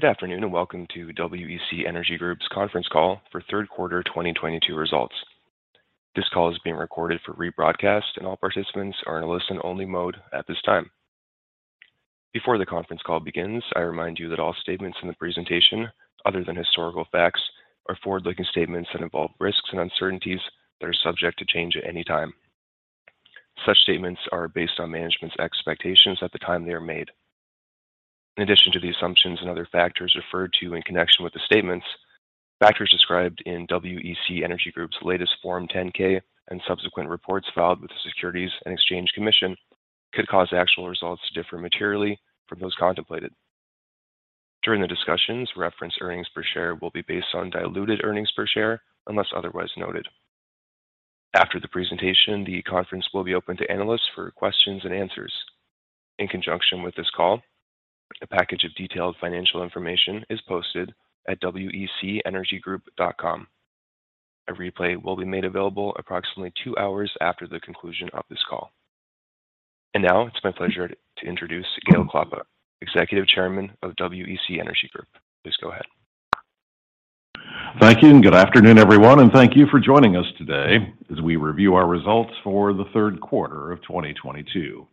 Good afternoon, and welcome to WEC Energy Group's conference call for third quarter 2022 results. This call is being recorded for rebroadcast, and all participants are in a listen-only mode at this time. Before the conference call begins, I remind you that all statements in the presentation, other than historical facts, are forward-looking statements that involve risks and uncertainties that are subject to change at any time. Such statements are based on management's expectations at the time they are made. In addition to the assumptions and other factors referred to in connection with the statements, factors described in WEC Energy Group's latest Form 10-K and subsequent reports filed with the Securities and Exchange Commission could cause actual results to differ materially from those contemplated. During the discussions, reference earnings per share will be based on diluted earnings per share unless otherwise noted. After the presentation, the conference will be open to analysts for questions and answers. In conjunction with this call, a package of detailed financial information is posted at wecenergygroup.com. A replay will be made available approximately two hours after the conclusion of this call. Now it's my pleasure to introduce Gale Klappa, Executive Chairman of WEC Energy Group. Please go ahead. Thank you, and good afternoon, everyone, and thank you for joining us today as we review our results for the third quarter of 2022.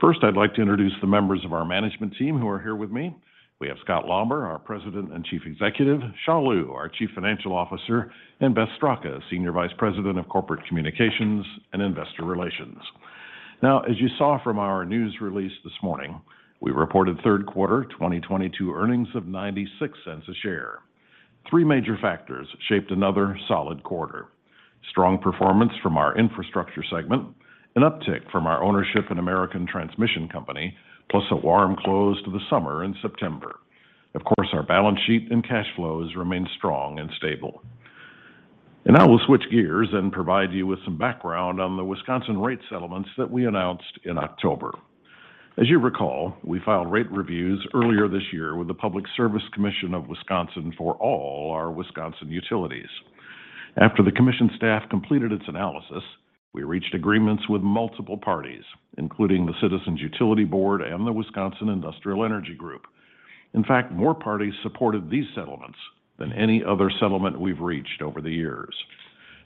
First, I'd like to introduce the members of our management team who are here with me. We have Scott Lauber, our President and Chief Executive, Xia Liu, our Chief Financial Officer, and Beth Straka, Senior Vice President of Corporate Communications and Investor Relations. Now, as you saw from our news release this morning, we reported third quarter 2022 earnings of $0.96 a share. Three major factors shaped another solid quarter, strong performance from our infrastructure segment, an uptick from our ownership in American Transmission Company, plus a warm close to the summer in September. Of course, our balance sheet and cash flows remain strong and stable. Now we'll switch gears and provide you with some background on the Wisconsin rate settlements that we announced in October. As you recall, we filed rate reviews earlier this year with the Public Service Commission of Wisconsin for all our Wisconsin utilities. After the commission staff completed its analysis, we reached agreements with multiple parties, including the Citizens Utility Board and the Wisconsin Industrial Energy Group. In fact, more parties supported these settlements than any other settlement we've reached over the years.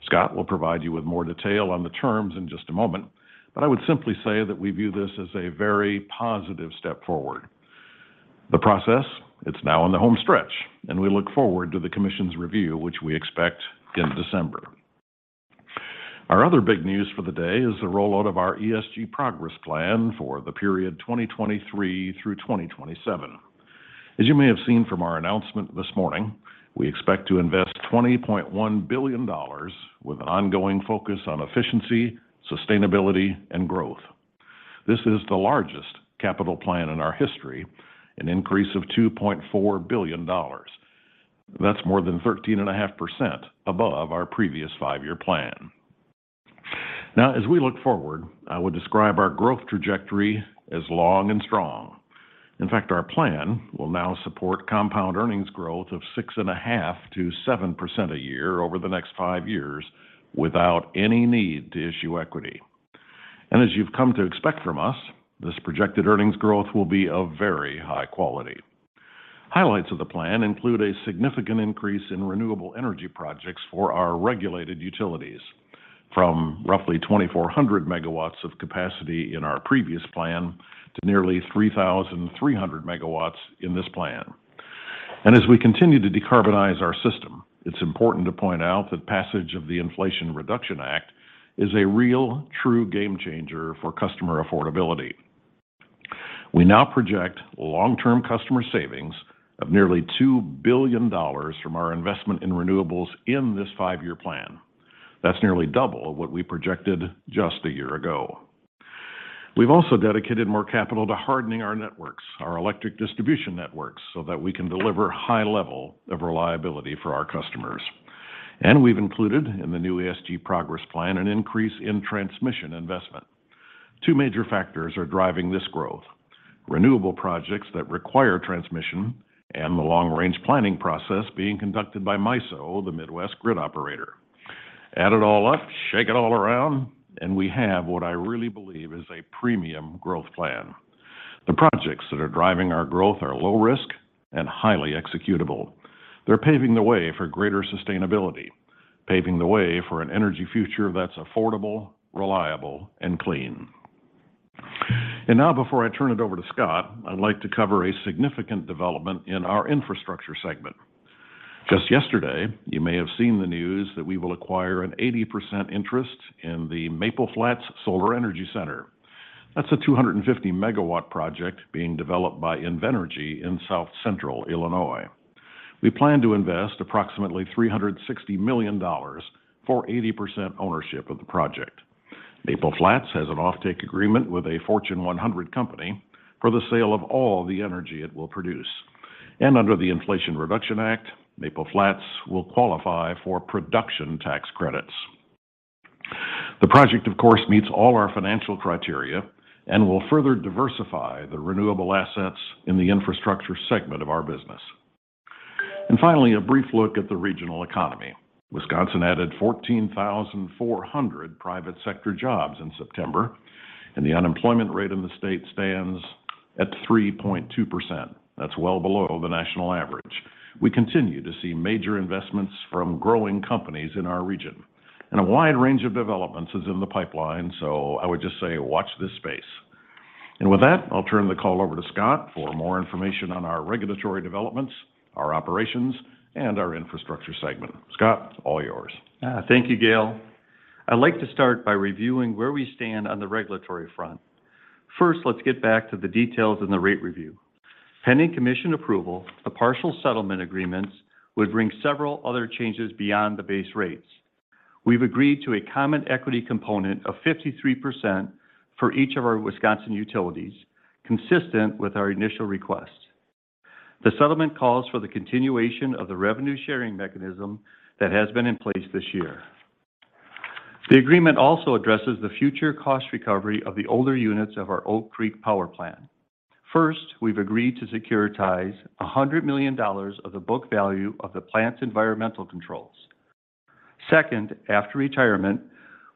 Scott will provide you with more detail on the terms in just a moment, but I would simply say that we view this as a very positive step forward. The process, it's now in the home stretch, and we look forward to the commission's review, which we expect in December. Our other big news for the day is the rollout of our ESG Progress Plan for the period 2023 through 2027. As you may have seen from our announcement this morning, we expect to invest $20.1 billion with an ongoing focus on efficiency, sustainability, and growth. This is the largest capital plan in our history, an increase of $2.4 billion. That's more than 13.5% above our previous five-year plan. Now, as we look forward, I would describe our growth trajectory as long and strong. In fact, our plan will now support compound earnings growth of 6.5%-7% a year over the next five years without any need to issue equity. As you've come to expect from us, this projected earnings growth will be of very high quality. Highlights of the plan include a significant increase in renewable energy projects for our regulated utilities from roughly 2,400 MW of capacity in our previous plan to nearly 3,300 MW in this plan. As we continue to decarbonize our system, it's important to point out that passage of the Inflation Reduction Act is a real true game changer for customer affordability. We now project long-term customer savings of nearly $2 billion from our investment in renewables in this five-year plan. That's nearly double what we projected just a year ago. We've also dedicated more capital to hardening our networks, our electric distribution networks, so that we can deliver high level of reliability for our customers. We've included in the new ESG Progress Plan an increase in transmission investment. Two major factors are driving this growth: renewable projects that require transmission and the long-range planning process being conducted by MISO, the Midwest Grid Operator. Add it all up, shake it all around, and we have what I really believe is a premium growth plan. The projects that are driving our growth are low risk and highly executable. They're paving the way for greater sustainability, paving the way for an energy future that's affordable, reliable, and clean. Now before I turn it over to Scott, I'd like to cover a significant development in our infrastructure segment. Just yesterday, you may have seen the news that we will acquire an 80% interest in the Maple Flats Solar Energy Center. That's a 250-MW project being developed by Invenergy in south-central Illinois. We plan to invest approximately $360 million for 80% ownership of the project. Maple Flats has an offtake agreement with a Fortune 100 company for the sale of all the energy it will produce. Under the Inflation Reduction Act, Maple Flats will qualify for Production Tax Credits. The project, of course, meets all our financial criteria and will further diversify the renewable assets in the infrastructure segment of our business. Finally, a brief look at the regional economy. Wisconsin added 14,400 private sector jobs in September, and the unemployment rate in the state stands at 3.2%. That's well below the national average. We continue to see major investments from growing companies in our region, and a wide range of developments is in the pipeline, so I would just say watch this space. With that, I'll turn the call over to Scott for more information on our regulatory developments, our operations, and our infrastructure segment. Scott, all yours. Thank you, Gale. I'd like to start by reviewing where we stand on the regulatory front. First, let's get back to the details in the rate review. Pending commission approval, the partial settlement agreements would bring several other changes beyond the base rates. We've agreed to a common equity component of 53% for each of our Wisconsin utilities, consistent with our initial request. The settlement calls for the continuation of the revenue-sharing mechanism that has been in place this year. The agreement also addresses the future cost recovery of the older units of our Oak Creek Power Plant. First, we've agreed to securitize $100 million of the book value of the plant's environmental controls. Second, after retirement,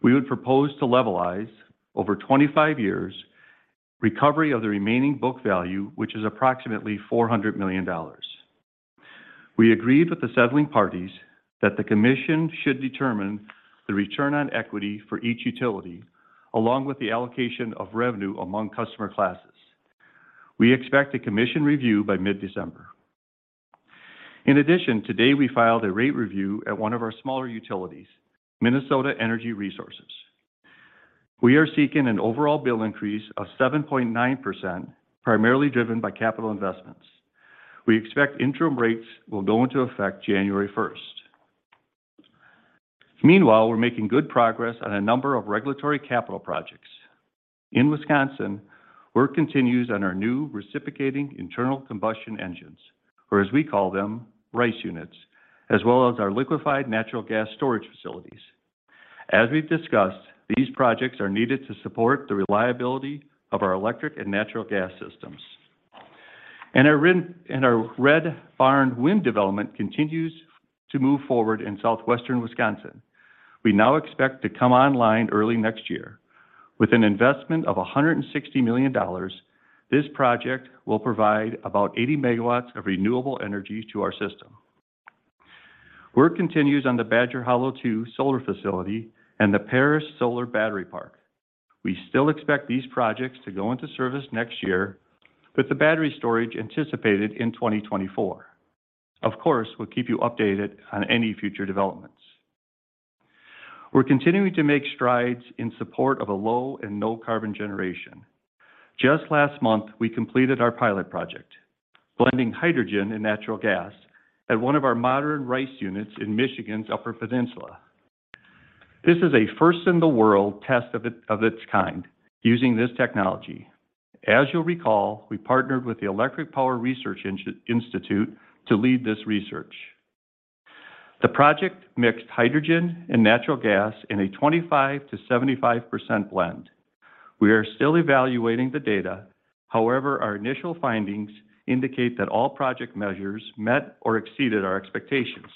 we would propose to levelize over 25 years recovery of the remaining book value, which is approximately $400 million. We agreed with the settling parties that the commission should determine the return on equity for each utility along with the allocation of revenue among customer classes. We expect a commission review by mid-December. In addition, today we filed a rate review at one of our smaller utilities, Minnesota Energy Resources. We are seeking an overall bill increase of 7.9%, primarily driven by capital investments. We expect interim rates will go into effect January 1st. Meanwhile, we're making good progress on a number of regulatory capital projects. In Wisconsin, work continues on our new reciprocating internal combustion engines, or as we call them, RICE units, as well as our liquefied natural gas storage facilities. As we've discussed, these projects are needed to support the reliability of our electric and natural gas systems. Our Red Barn Wind development continues to move forward in southwestern Wisconsin. We now expect to come online early next year. With an investment of $160 million, this project will provide about 80 MW of renewable energy to our system. Work continues on the Badger Hollow II solar facility and the Paris Solar-Battery Park. We still expect these projects to go into service next year, with the battery storage anticipated in 2024. Of course, we'll keep you updated on any future developments. We're continuing to make strides in support of a low and no carbon generation. Just last month, we completed our pilot project, blending hydrogen and natural gas at one of our modern RICE units in Michigan's Upper Peninsula. This is a first-in-the-world test of its kind using this technology. As you'll recall, we partnered with the Electric Power Research Institute to lead this research. The project mixed hydrogen and natural gas in a 25%-75% blend. We are still evaluating the data. However, our initial findings indicate that all project measures met or exceeded our expectations.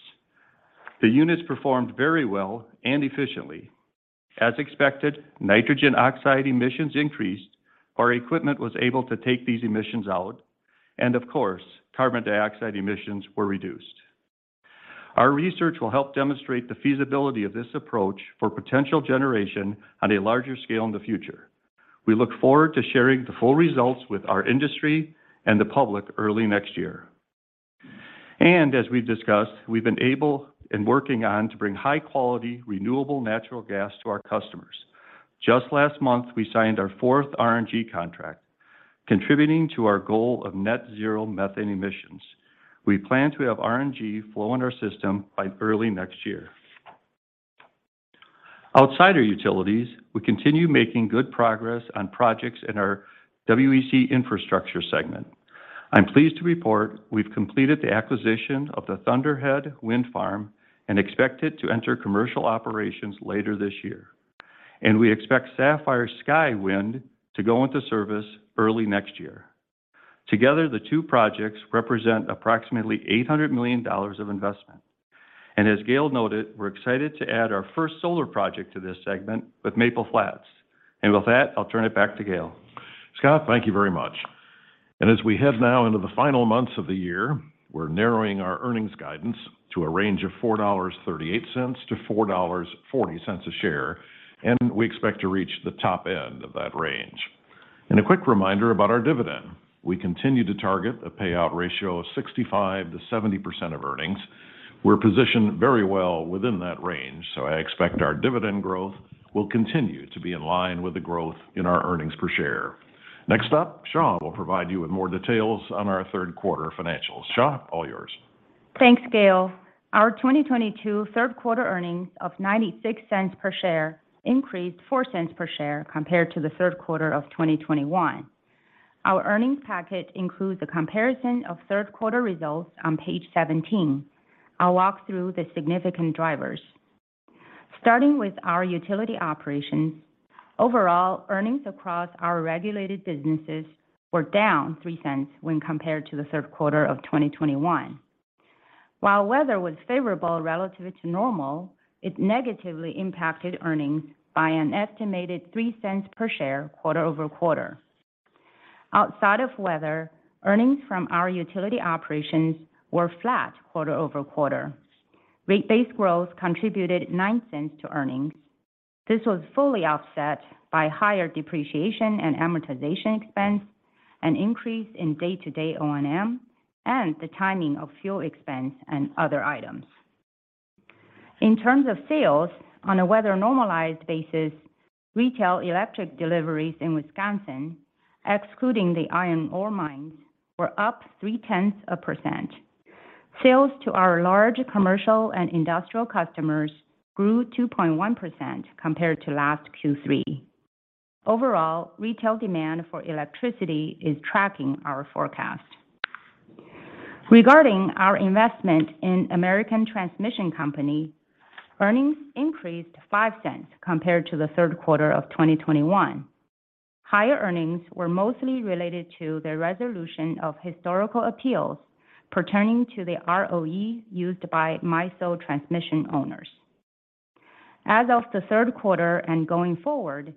The units performed very well and efficiently. As expected, nitrogen oxide emissions increased. Our equipment was able to take these emissions out. Of course, carbon dioxide emissions were reduced. Our research will help demonstrate the feasibility of this approach for potential generation on a larger scale in the future. We look forward to sharing the full results with our industry and the public early next year. As we've discussed, we've been able and working on to bring high-quality, renewable natural gas to our customers. Just last month, we signed our fourth RNG contract, contributing to our goal of net-zero methane emissions. We plan to have RNG flow in our system by early next year. Outside our utilities, we continue making good progress on projects in our WEC Infrastructure segment. I'm pleased to report we've completed the acquisition of the Thunderhead Wind Farm and expect it to enter commercial operations later this year. We expect Sapphire Sky Wind to go into service early next year. Together, the two projects represent approximately $800 million of investment. As Gale noted, we're excited to add our first solar project to this segment with Maple Flats. With that, I'll turn it back to Gale. Scott, thank you very much. As we head now into the final months of the year, we're narrowing our earnings guidance to a range of $4.38-$4.40 a share, and we expect to reach the top end of that range. A quick reminder about our dividend. We continue to target a payout ratio of 65%-70% of earnings. We're positioned very well within that range, so I expect our dividend growth will continue to be in line with the growth in our earnings per share. Next up, Xia will provide you with more details on our third quarter financials. Xia, all yours. Thanks, Gale. Our 2022 third quarter earnings of $0.96 per share increased $0.04 per share compared to the third quarter of 2021. Our earnings package includes a comparison of third quarter results on page 17. I'll walk through the significant drivers. Starting with our utility operations, overall earnings across our regulated businesses were down $0.03 when compared to the third quarter of 2021. While weather was favorable relative to normal, it negatively impacted earnings by an estimated $0.03 per share quarter-over-quarter. Outside of weather, earnings from our utility operations were flat quarter-over-quarter. Rate base growth contributed $0.09 to earnings. This was fully offset by higher depreciation and amortization expense, an increase in day-to-day O&M, and the timing of fuel expense and other items. In terms of sales, on a weather normalized basis, retail electric deliveries in Wisconsin, excluding the iron ore mines, were up 0.3%. Sales to our large commercial and industrial customers grew 2.1% compared to last Q3. Overall, retail demand for electricity is tracking our forecast. Regarding our investment in American Transmission Company, earnings increased $0.05 compared to the third quarter of 2021. Higher earnings were mostly related to the resolution of historical appeals pertaining to the ROE used by MISO transmission owners. As of the third quarter and going forward,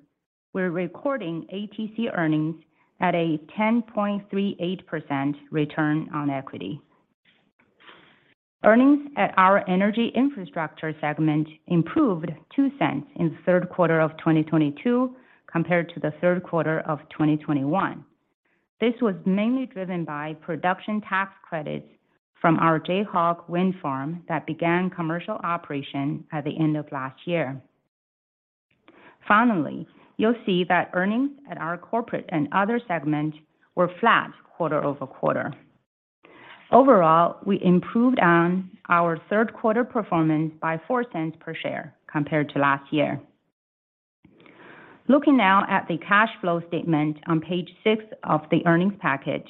we're recording ATC earnings at a 10.38% return on equity. Earnings at our energy infrastructure segment improved $0.02 in the third quarter of 2022 compared to the third quarter of 2021. This was mainly driven by production tax credits from our Jayhawk Wind Farm that began commercial operation at the end of last year. Finally, you'll see that earnings at our corporate and other segment were flat quarter-over-quarter. Overall, we improved on our third quarter performance by $0.04 per share compared to last year. Looking now at the cash flow statement on page six of the earnings package,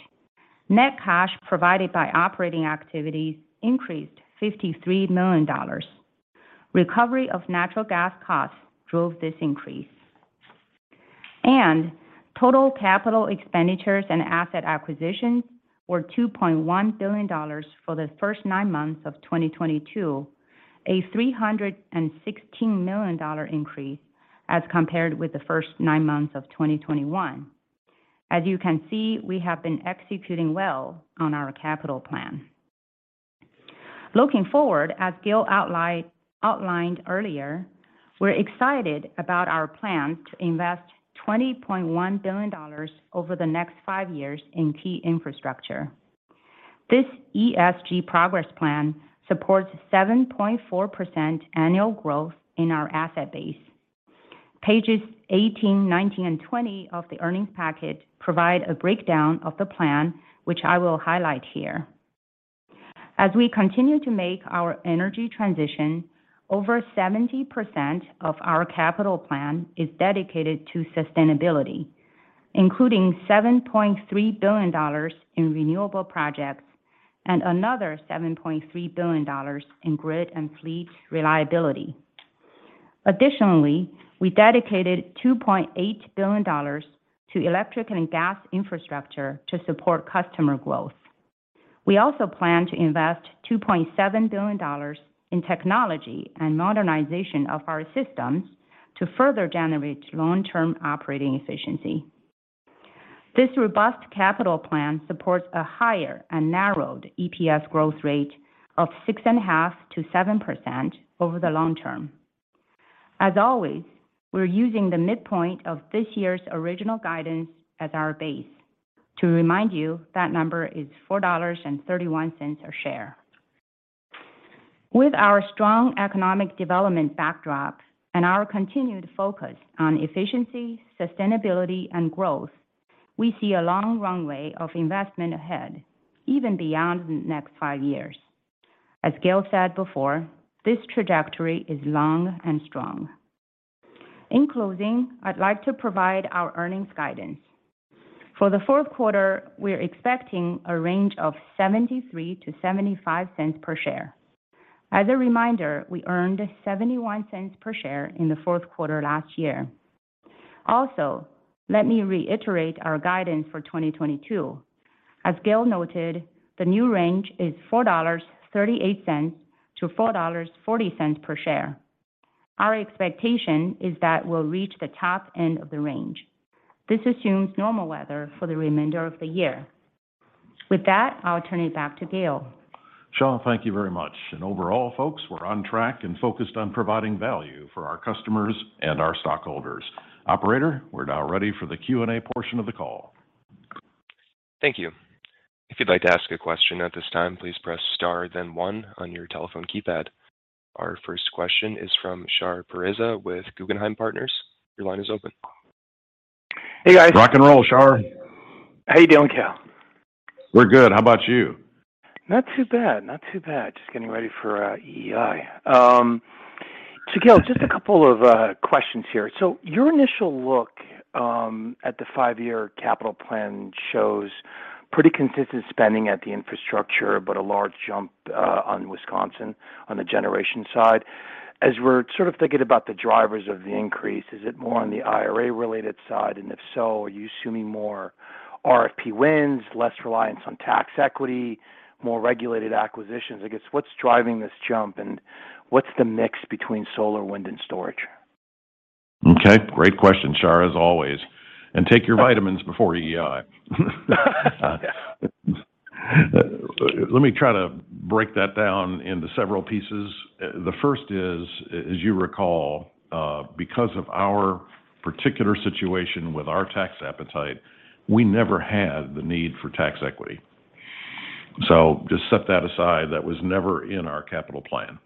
net cash provided by operating activities increased $53 million. Recovery of natural gas costs drove this increase. Total capital expenditures and asset acquisitions were $2.1 billion for the first nine months of 2022, a $316 million increase as compared with the first nine months of 2021. As you can see, we have been executing well on our capital plan. Looking forward, as Gale outlined earlier, we're excited about our plan to invest $20.1 billion over the next five years in key infrastructure. This ESG Progress Plan supports 7.4% annual growth in our asset base. Pages 18, 19, and 20 of the earnings package provide a breakdown of the plan, which I will highlight here. As we continue to make our energy transition, over 70% of our capital plan is dedicated to sustainability, including $7.3 billion in renewable projects and another $7.3 billion in grid and fleet reliability. Additionally, we dedicated $2.8 billion to electric and gas infrastructure to support customer growth. We also plan to invest $2.7 billion in technology and modernization of our systems to further generate long-term operating efficiency. This robust capital plan supports a higher and narrowed EPS growth rate of 6.5%-7% over the long term. As always, we're using the midpoint of this year's original guidance as our base. To remind you, that number is $4.31 a share. With our strong economic development backdrop and our continued focus on efficiency, sustainability, and growth, we see a long runway of investment ahead, even beyond the next five years. As Gale said before, this trajectory is long and strong. In closing, I'd like to provide our earnings guidance. For the fourth quarter, we're expecting a range of $0.73-$0.75 per share. As a reminder, we earned $0.71 per share in the fourth quarter last year. Also, let me reiterate our guidance for 2022. As Gale noted, the new range is $4.38-$4.40 per share. Our expectation is that we'll reach the top end of the range. This assumes normal weather for the remainder of the year. With that, I'll turn it back to Gale. Xia, thank you very much. Overall, folks, we're on track and focused on providing value for our customers and our stockholders. Operator, we're now ready for the Q&A portion of the call. Thank you. If you'd like to ask a question at this time, please press star then one on your telephone keypad. Our first question is from Shar Pourreza with Guggenheim Partners. Your line is open. Hey, guys. Rock and roll, Shar. How you doing, Gale? We're good. How about you? Not too bad. Just getting ready for EEI. Gale, just a couple of questions here. Your initial look at the five-year capital plan shows pretty consistent spending at the infrastructure, but a large jump on Wisconsin on the generation side. As we're sort of thinking about the drivers of the increase, is it more on the IRA-related side? If so, are you assuming more RFP wins, less reliance on tax equity, more regulated acquisitions? I guess, what's driving this jump, and what's the mix between solar, wind, and storage? Okay. Great question, Shar, as always. Take your vitamins before EEI. Let me try to break that down into several pieces. The first is, as you recall, because of our particular situation with our tax appetite, we never had the need for tax equity. Just set that aside. That was never in our capital plan.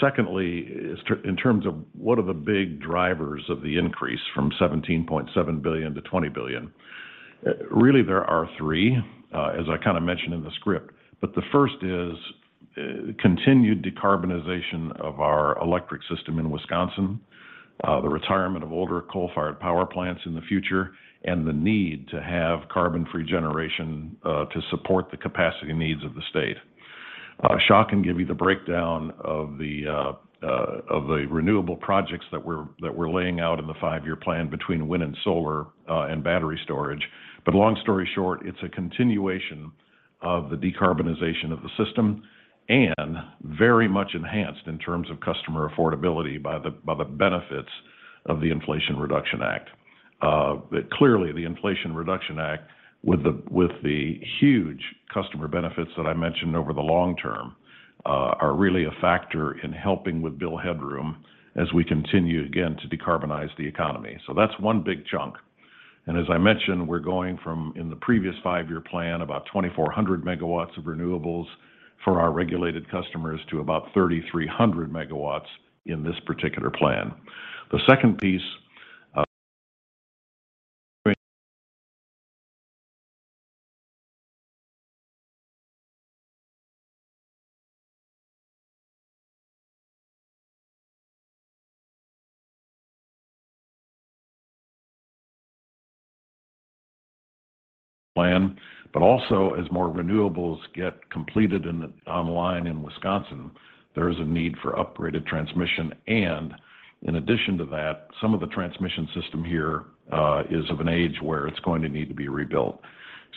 Second, in terms of what are the big drivers of the increase from $17.7 billion to $20 billion? Really, there are three, as I kinda mentioned in the script. The first is continued decarbonization of our electric system in Wisconsin, the retirement of older coal-fired power plants in the future, and the need to have carbon-free generation to support the capacity needs of the state. Xia can give you the breakdown of the renewable projects that we're laying out in the five-year plan between wind and solar and battery storage. Long story short, it's a continuation of the decarbonization of the system and very much enhanced in terms of customer affordability by the benefits of the Inflation Reduction Act. Clearly, the Inflation Reduction Act, with the huge customer benefits that I mentioned over the long term, are really a factor in helping with bill headroom as we continue, again, to decarbonize the economy. That's one big chunk. As I mentioned, we're going from, in the previous five-year plan, about 2,400 MW of renewables for our regulated customers to about 3,300 MW in this particular plan. The second piece, but also as more renewables get completed and online in Wisconsin, there is a need for upgraded transmission. In addition to that, some of the transmission system here is of an age where it's going to need to be rebuilt.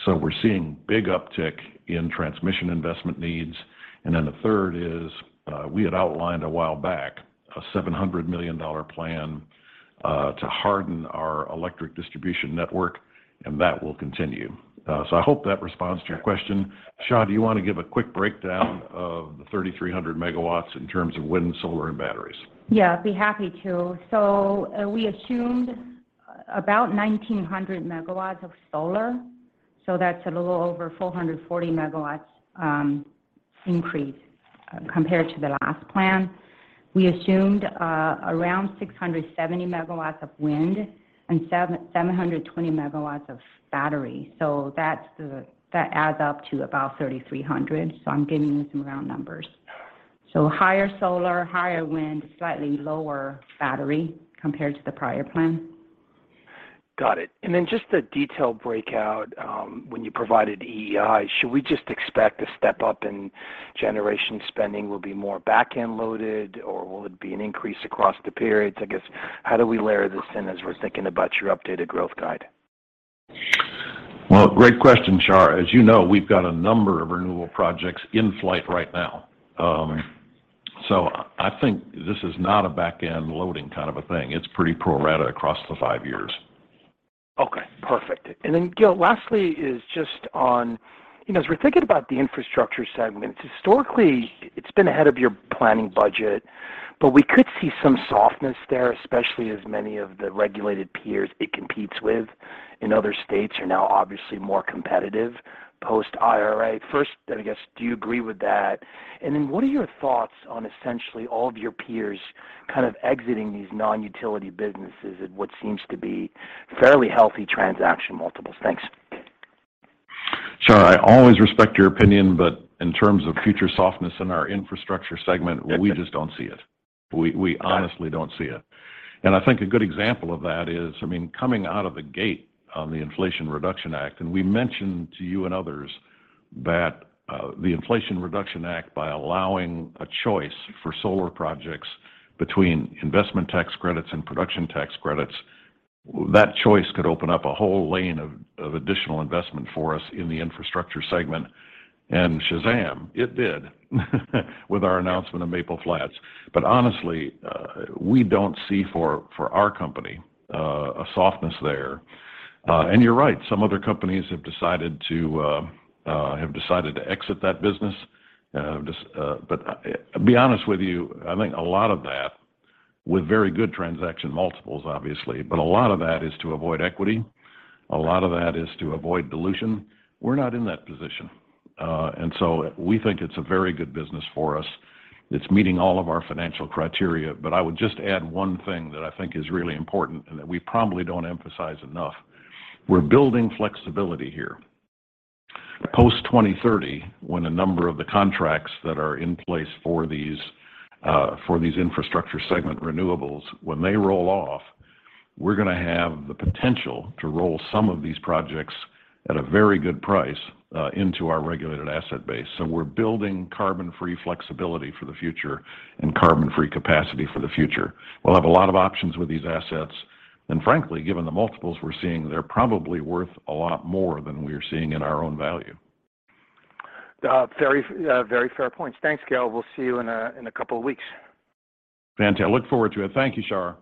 We're seeing big uptick in transmission investment needs. Then the third is, we had outlined a while back a $700 million plan to harden our electric distribution network, and that will continue. I hope that responds to your question. Xia, do you want to give a quick breakdown of the 3,300 MW in terms of wind, solar, and batteries? Yeah, I'd be happy to. We assumed about 1,900 MW of solar, so that's a little over 440 MW increase compared to the last plan. We assumed around 670 MW of wind and 720 MW of battery. That adds up to about 3,300 MW, I'm giving you some round numbers. Higher solar, higher wind, slightly lower battery compared to the prior plan. Got it. Just a detailed breakout, when you provided EEI, should we just expect a step up in generation spending will be more back-end loaded, or will it be an increase across the periods? I guess, how do we layer this in as we're thinking about your updated growth guide? Well, great question, Shar. As you know, we've got a number of renewable projects in flight right now. I think this is not a back-end loading kind of a thing. It's pretty pro rata across the five years. Okay, perfect. Gale, lastly is just on. You know, as we're thinking about the infrastructure segment, historically, it's been ahead of your planning budget, but we could see some softness there. Especially as many of the regulated peers it competes with in other states are now obviously more competitive post-IRA. First, I guess, do you agree with that? What are your thoughts on essentially all of your peers kind of exiting these non-utility businesses at what seems to be fairly healthy transaction multiples? Thanks. Shar, I always respect your opinion, but in terms of future softness in our infrastructure segment. Yeah. We just don't see it. We honestly don't see it. I think a good example of that is, I mean, coming out of the gate on the Inflation Reduction Act, and we mentioned to you and others that the Inflation Reduction Act, by allowing a choice for solar projects between investment tax credits and production tax credits, that choice could open up a whole lane of additional investment for us in the infrastructure segment. Shazam, it did, with our announcement of Maple Flats. Honestly, we don't see for our company a softness there. You're right, some other companies have decided to exit that business. To be honest with you, I think a lot of that with very good transaction multiples, obviously, but a lot of that is to avoid equity. A lot of that is to avoid dilution. We're not in that position. We think it's a very good business for us. It's meeting all of our financial criteria. I would just add one thing that I think is really important and that we probably don't emphasize enough. We're building flexibility here. Post-2030, when a number of the contracts that are in place for these, for these infrastructure segment renewables, when they roll off, we're gonna have the potential to roll some of these projects at a very good price, into our regulated asset base. We're building carbon-free flexibility for the future and carbon-free capacity for the future. We'll have a lot of options with these assets. Frankly, given the multiples we're seeing, they're probably worth a lot more than we're seeing in our own value. Very fair points. Thanks, Gale. We'll see you in a couple of weeks. Fantastic. I look forward to it. Thank you, Shar.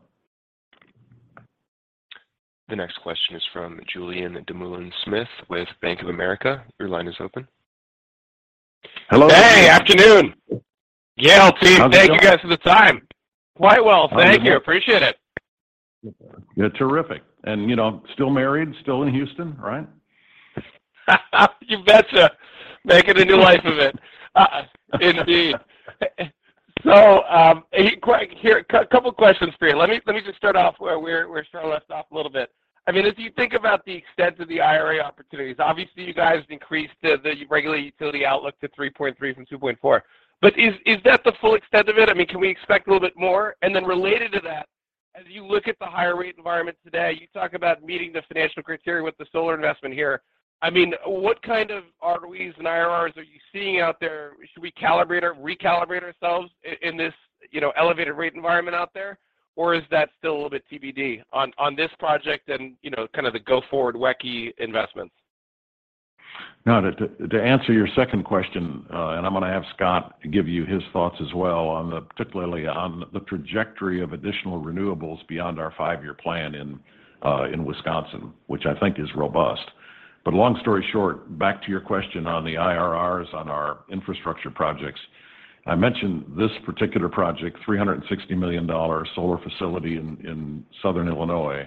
The next question is from Julien Dumoulin-Smith with Bank of America. Your line is open. Hello. Good afternoon. Gale, team, thank you guys for the time. Quite well, thank you. Appreciate it. Yeah, terrific. You know, still married, still in Houston, right? You betcha. Making a new life of it. Indeed. Here, a couple of questions for you. Let me just start off where we're starting us off a little bit. I mean, if you think about the extent of the IRA opportunities, obviously, you guys increased the regulated utility outlook to 3.3 GW from 2.4 GW. Is that the full extent of it? I mean, can we expect a little bit more? Then related to that, as you look at the higher rate environment today, you talk about meeting the financial criteria with the solar investment here. I mean, what kind of ROEs and IRRs are you seeing out there? Should we calibrate or recalibrate ourselves in this, you know, elevated rate environment out there? Is that still a little bit TBD on this project and, you know, kind of the go-forward WECI investments? No, to answer your second question, and I'm gonna have Scott give you his thoughts as well on particularly on the trajectory of additional renewables beyond our five-year plan in Wisconsin, which I think is robust. Long story short, back to your question on the IRRs on our infrastructure projects. I mentioned this particular project, $360 million solar facility in Southern Illinois.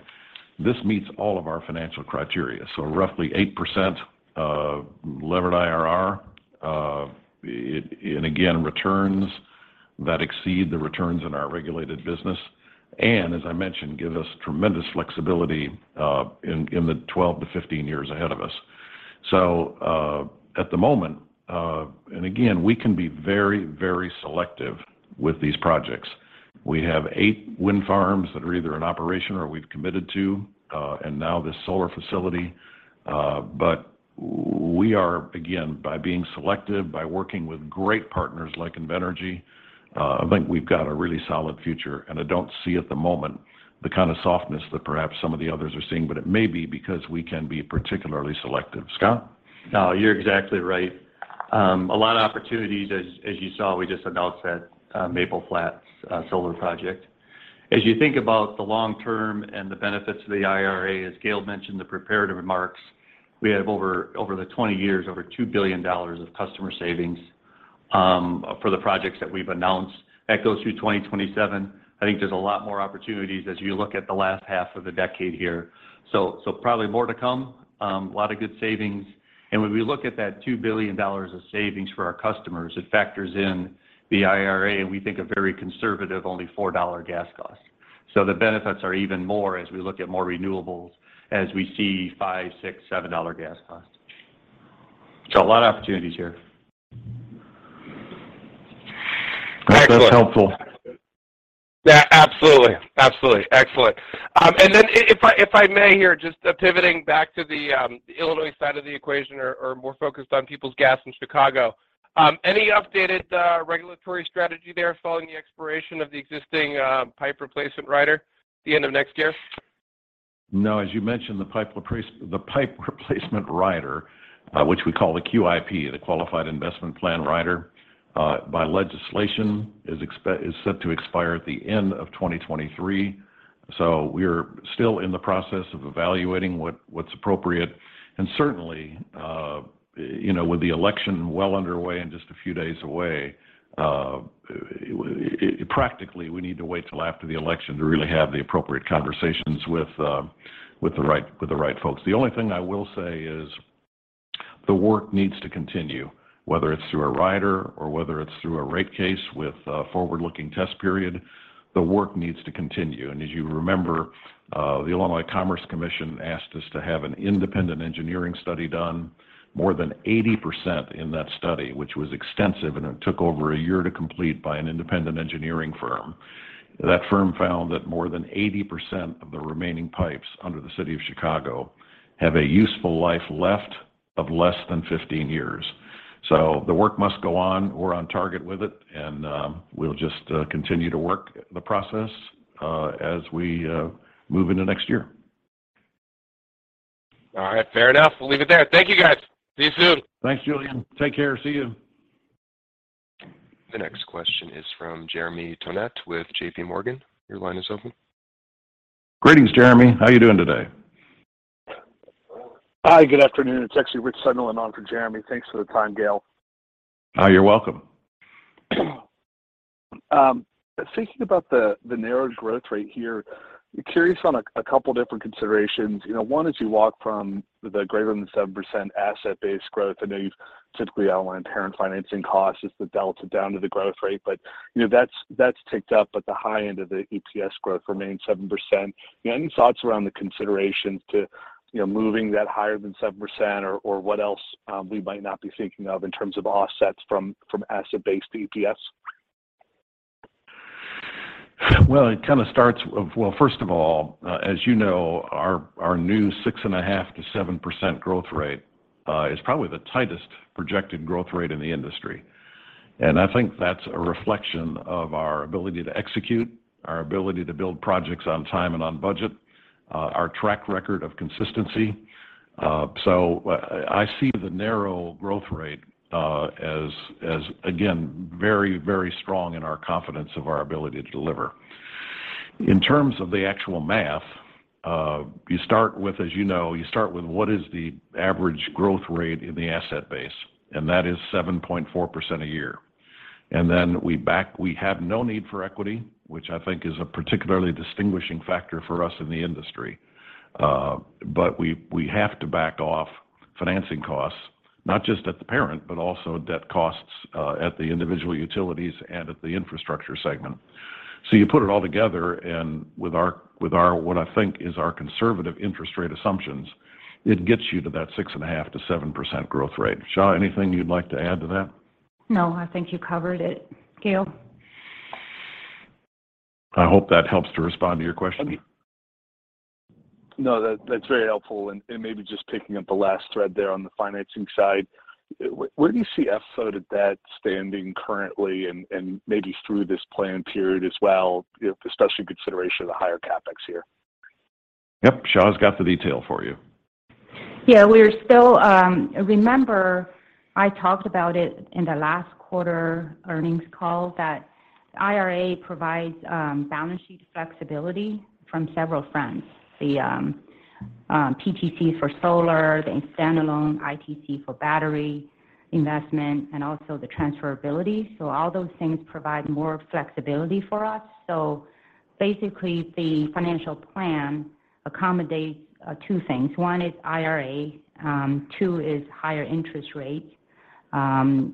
This meets all of our financial criteria. Roughly 8% levered IRR. And again, returns that exceed the returns in our regulated business. As I mentioned, give us tremendous flexibility in the 12-15 years ahead of us. At the moment, and again, we can be very selective with these projects. We have eight wind farms that are either in operation or we've committed to, and now this solar facility, but we are, again, by being selective, by working with great partners like Invenergy, I think we've got a really solid future. I don't see at the moment the kind of softness that perhaps some of the others are seeing, but it may be because we can be particularly selective. Scott? No, you're exactly right. A lot of opportunities, as you saw, we just announced that Maple Flats Solar Project. As you think about the long term and the benefits of the IRA, as Gale mentioned in the prepared remarks, we have over the 20 years, over $2 billion of customer savings for the projects that we've announced. That goes through 2027. I think there's a lot more opportunities as you look at the last half of the decade here. Probably more to come. A lot of good savings. When we look at that $2 billion of savings for our customers, it factors in the IRA, and we think a very conservative only $4 gas cost. The benefits are even more as we look at more renewables, as we see $5, $6, $7 gas costs. A lot of opportunities here. Excellent. Hope that's helpful. Yeah, absolutely. Absolutely. Excellent. If I may here, just pivoting back to the Illinois side of the equation or more focused on Peoples Gas in Chicago. Any updated regulatory strategy there following the expiration of the existing pipe replacement rider at the end of next year? No, as you mentioned, the pipe replacement rider, which we call the QIP, the Qualified Investment Plan rider, by legislation is set to expire at the end of 2023. We're still in the process of evaluating what's appropriate. Certainly, you know, with the election well underway and just a few days away, practically, we need to wait till after the election to really have the appropriate conversations with the right folks. The only thing I will say is the work needs to continue, whether it's through a rider or whether it's through a rate case with a forward-looking test period, the work needs to continue. As you remember, the Illinois Commerce Commission asked us to have an independent engineering study done. More than 80% in that study, which was extensive, and it took over a year to complete by an independent engineering firm. That firm found that more than 80% of the remaining pipes under the city of Chicago have a useful life left of less than 15 years. The work must go on. We're on target with it, and we'll just continue to work the process as we move into next year. All right, fair enough. We'll leave it there. Thank you, guys. See you soon. Thanks, Julien. Take care. See you. The next question is from Jeremy Tonet with JPMorgan. Your line is open. Greetings, Jeremy. How are you doing today? Hi, good afternoon. It's actually Rich Sunderland on for Jeremy. Thanks for the time, Gale. Hi. You're welcome. Thinking about the narrowed growth rate here, curious about a couple different considerations. You know, one, as you walk from the greater than 7% asset-based growth, I know you typically outline parent financing costs is the delta down to the growth rate. You know, that's ticked up at the high end of the EPS growth remaining 7%. Any thoughts around the considerations to, you know, moving that higher than 7% or what else we might not be thinking of in terms of offsets from asset-based EPS? First of all, as you know, our new 6.5%-7% growth rate is probably the tightest projected growth rate in the industry. I think that's a reflection of our ability to execute, our ability to build projects on time and on budget, our track record of consistency. I see the narrow growth rate as again a very, very strong indication of our confidence of our ability to deliver. In terms of the actual math, you start with, as you know, you start with what is the average growth rate in the asset base, and that is 7.4% a year. We have no need for equity, which I think is a particularly distinguishing factor for us in the industry. We have to back off financing costs not just at the parent, but also debt costs at the individual utilities and at the infrastructure segment. You put it all together and with our what I think is our conservative interest rate assumptions, it gets you to that 6.5%-7% growth rate. Xia, anything you'd like to add to that? No, I think you covered it, Gale. I hope that helps to respond to your question. No, that's very helpful. Maybe just picking up the last thread there on the financing side, where do you see FFO-to-debt standing currently and maybe through this plan period as well, especially in consideration of the higher CapEx here? Yep. Xia's got the detail for you. Yeah, we're still. Remember I talked about it in the last quarter earnings call that IRA provides balance sheet flexibility from several fronts. The PTC for solar, the standalone ITC for battery investment, and also the transferability. All those things provide more flexibility for us. Basically the financial plan accommodates two things. One is IRA, two is higher interest rate, and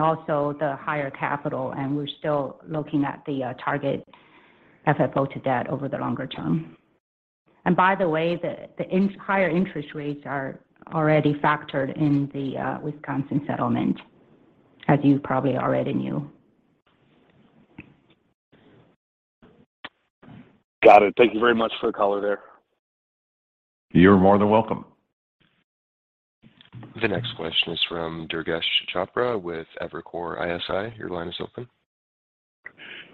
also the higher capital. We're still looking at the target FFO-to-debt over the longer term. By the way, higher interest rates are already factored in the Wisconsin settlement, as you probably already knew. Got it. Thank you very much for the color there. You're more than welcome. The next question is from Durgesh Chopra with Evercore ISI. Your line is open.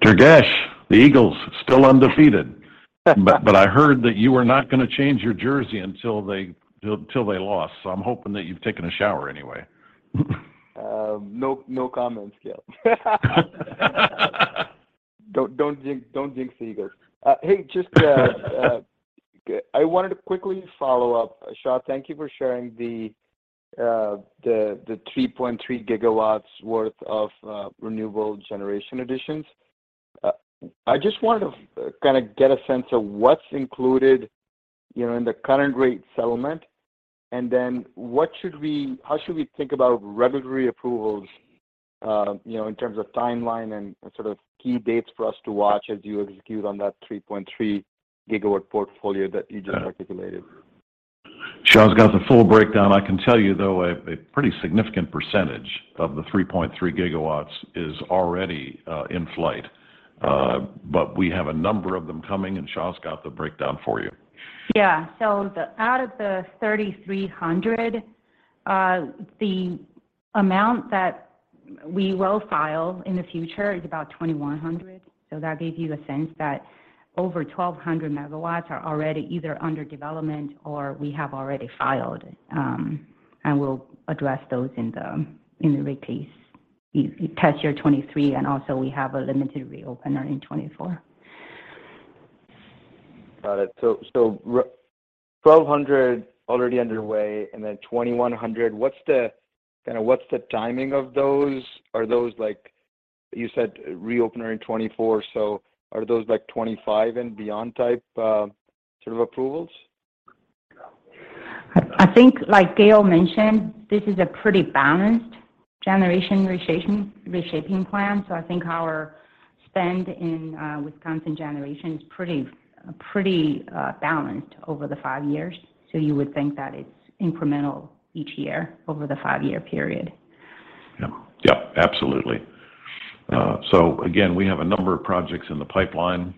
Durgesh, the Eagles still undefeated. I heard that you were not going to change your jersey until they lost. I'm hoping that you've taken a shower anyway. No comment, Gale. Don't jinx the Eagles. Hey, just I wanted to quickly follow up. Xia, thank you for sharing the 3.3 GW worth of renewable generation additions. I just wanted to kind of get a sense of what's included, you know, in the current rate settlement, and then how should we think about regulatory approvals, you know, in terms of timeline and sort of key dates for us to watch as you execute on that 3.3-GW portfolio that you just articulated? Xia's got the full breakdown. I can tell you, though, a pretty significant percentage of the 3.3 GW is already in flight. We have a number of them coming, and Xia's got the breakdown for you. Out of the 3,300 MW, the amount that we will file in the future is about 2,100 MW. That gives you a sense that over 1,200 MW are already either under development or we have already filed, and we'll address those in the rate case year 2023. We have a limited reopener in 2024. Got it. 1,200 MW already underway and then 2,100 MW. What's the timing of those? Are those like you said, reopener in 2024? Are those like 2025 and beyond type, sort of approvals? I think like Gale mentioned, this is a pretty balanced generation reshaping plan. I think our spend in Wisconsin generation is pretty balanced over the five years. You would think that it's incremental each year over the five-year period. Yeah. Yeah, absolutely. Again, we have a number of projects in the pipeline,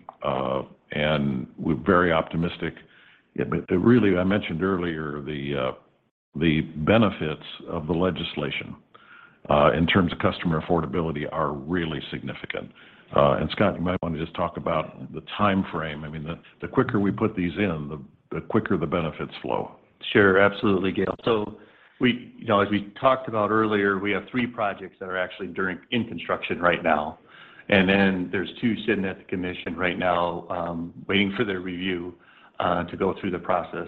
and we're very optimistic. Really, I mentioned earlier the benefits of the legislation in terms of customer affordability are really significant. Scott, you might want to just talk about the timeframe. I mean, the quicker we put these in, the quicker the benefits flow. Sure. Absolutely, Gale. We, you know, as we talked about earlier, we have three projects that are actually in construction right now. Then there's two sitting at the commission right now, waiting for their review to go through the process.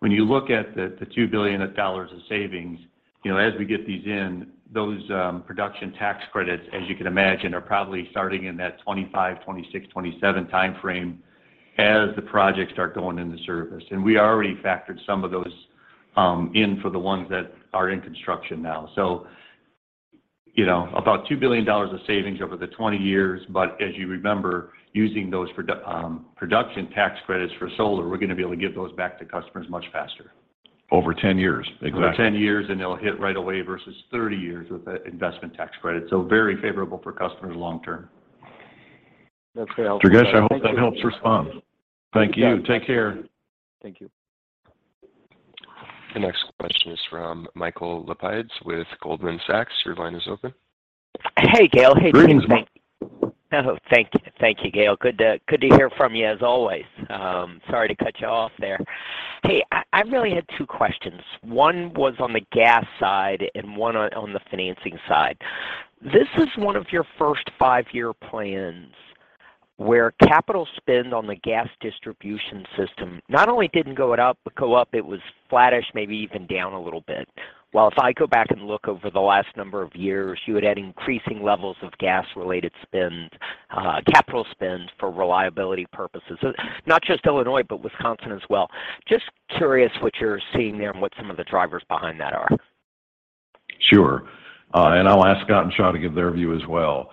When you look at the $2 billion of savings, you know, as we get these in, those production tax credits, as you can imagine, are probably starting in that 2025, 2026, 2027 timeframe. As the projects start going into service. We already factored some of those in for the ones that are in construction now. You know, about $2 billion of savings over the 20 years, but as you remember, using those production tax credits for solar, we're gonna be able to give those back to customers much faster. Over 10 years. Exactly. Over 10 years, and they'll hit right away versus 30 years with the investment tax credit, so very favorable for customers long term. Durgesh, I hope that helps respond. Thank you. Take care. Thank you. The next question is from Michael Lapides with Goldman Sachs. Your line is open. Hey Gale. Hey team. Greetings. Oh, thank you. Thank you, Gale. Good to hear from you as always. Sorry to cut you off there. Hey, I really had two questions. One was on the gas side and one on the financing side. This is one of your first five-year plans where capital spend on the gas distribution system not only didn't go up, it was flattish, maybe even down a little bit. While if I go back and look over the last number of years, you had had increasing levels of gas-related spends, capital spends for reliability purposes. Not just Illinois, but Wisconsin as well. Just curious what you're seeing there and what some of the drivers behind that are. Sure. I'll ask Scott and Xia to give their view as well.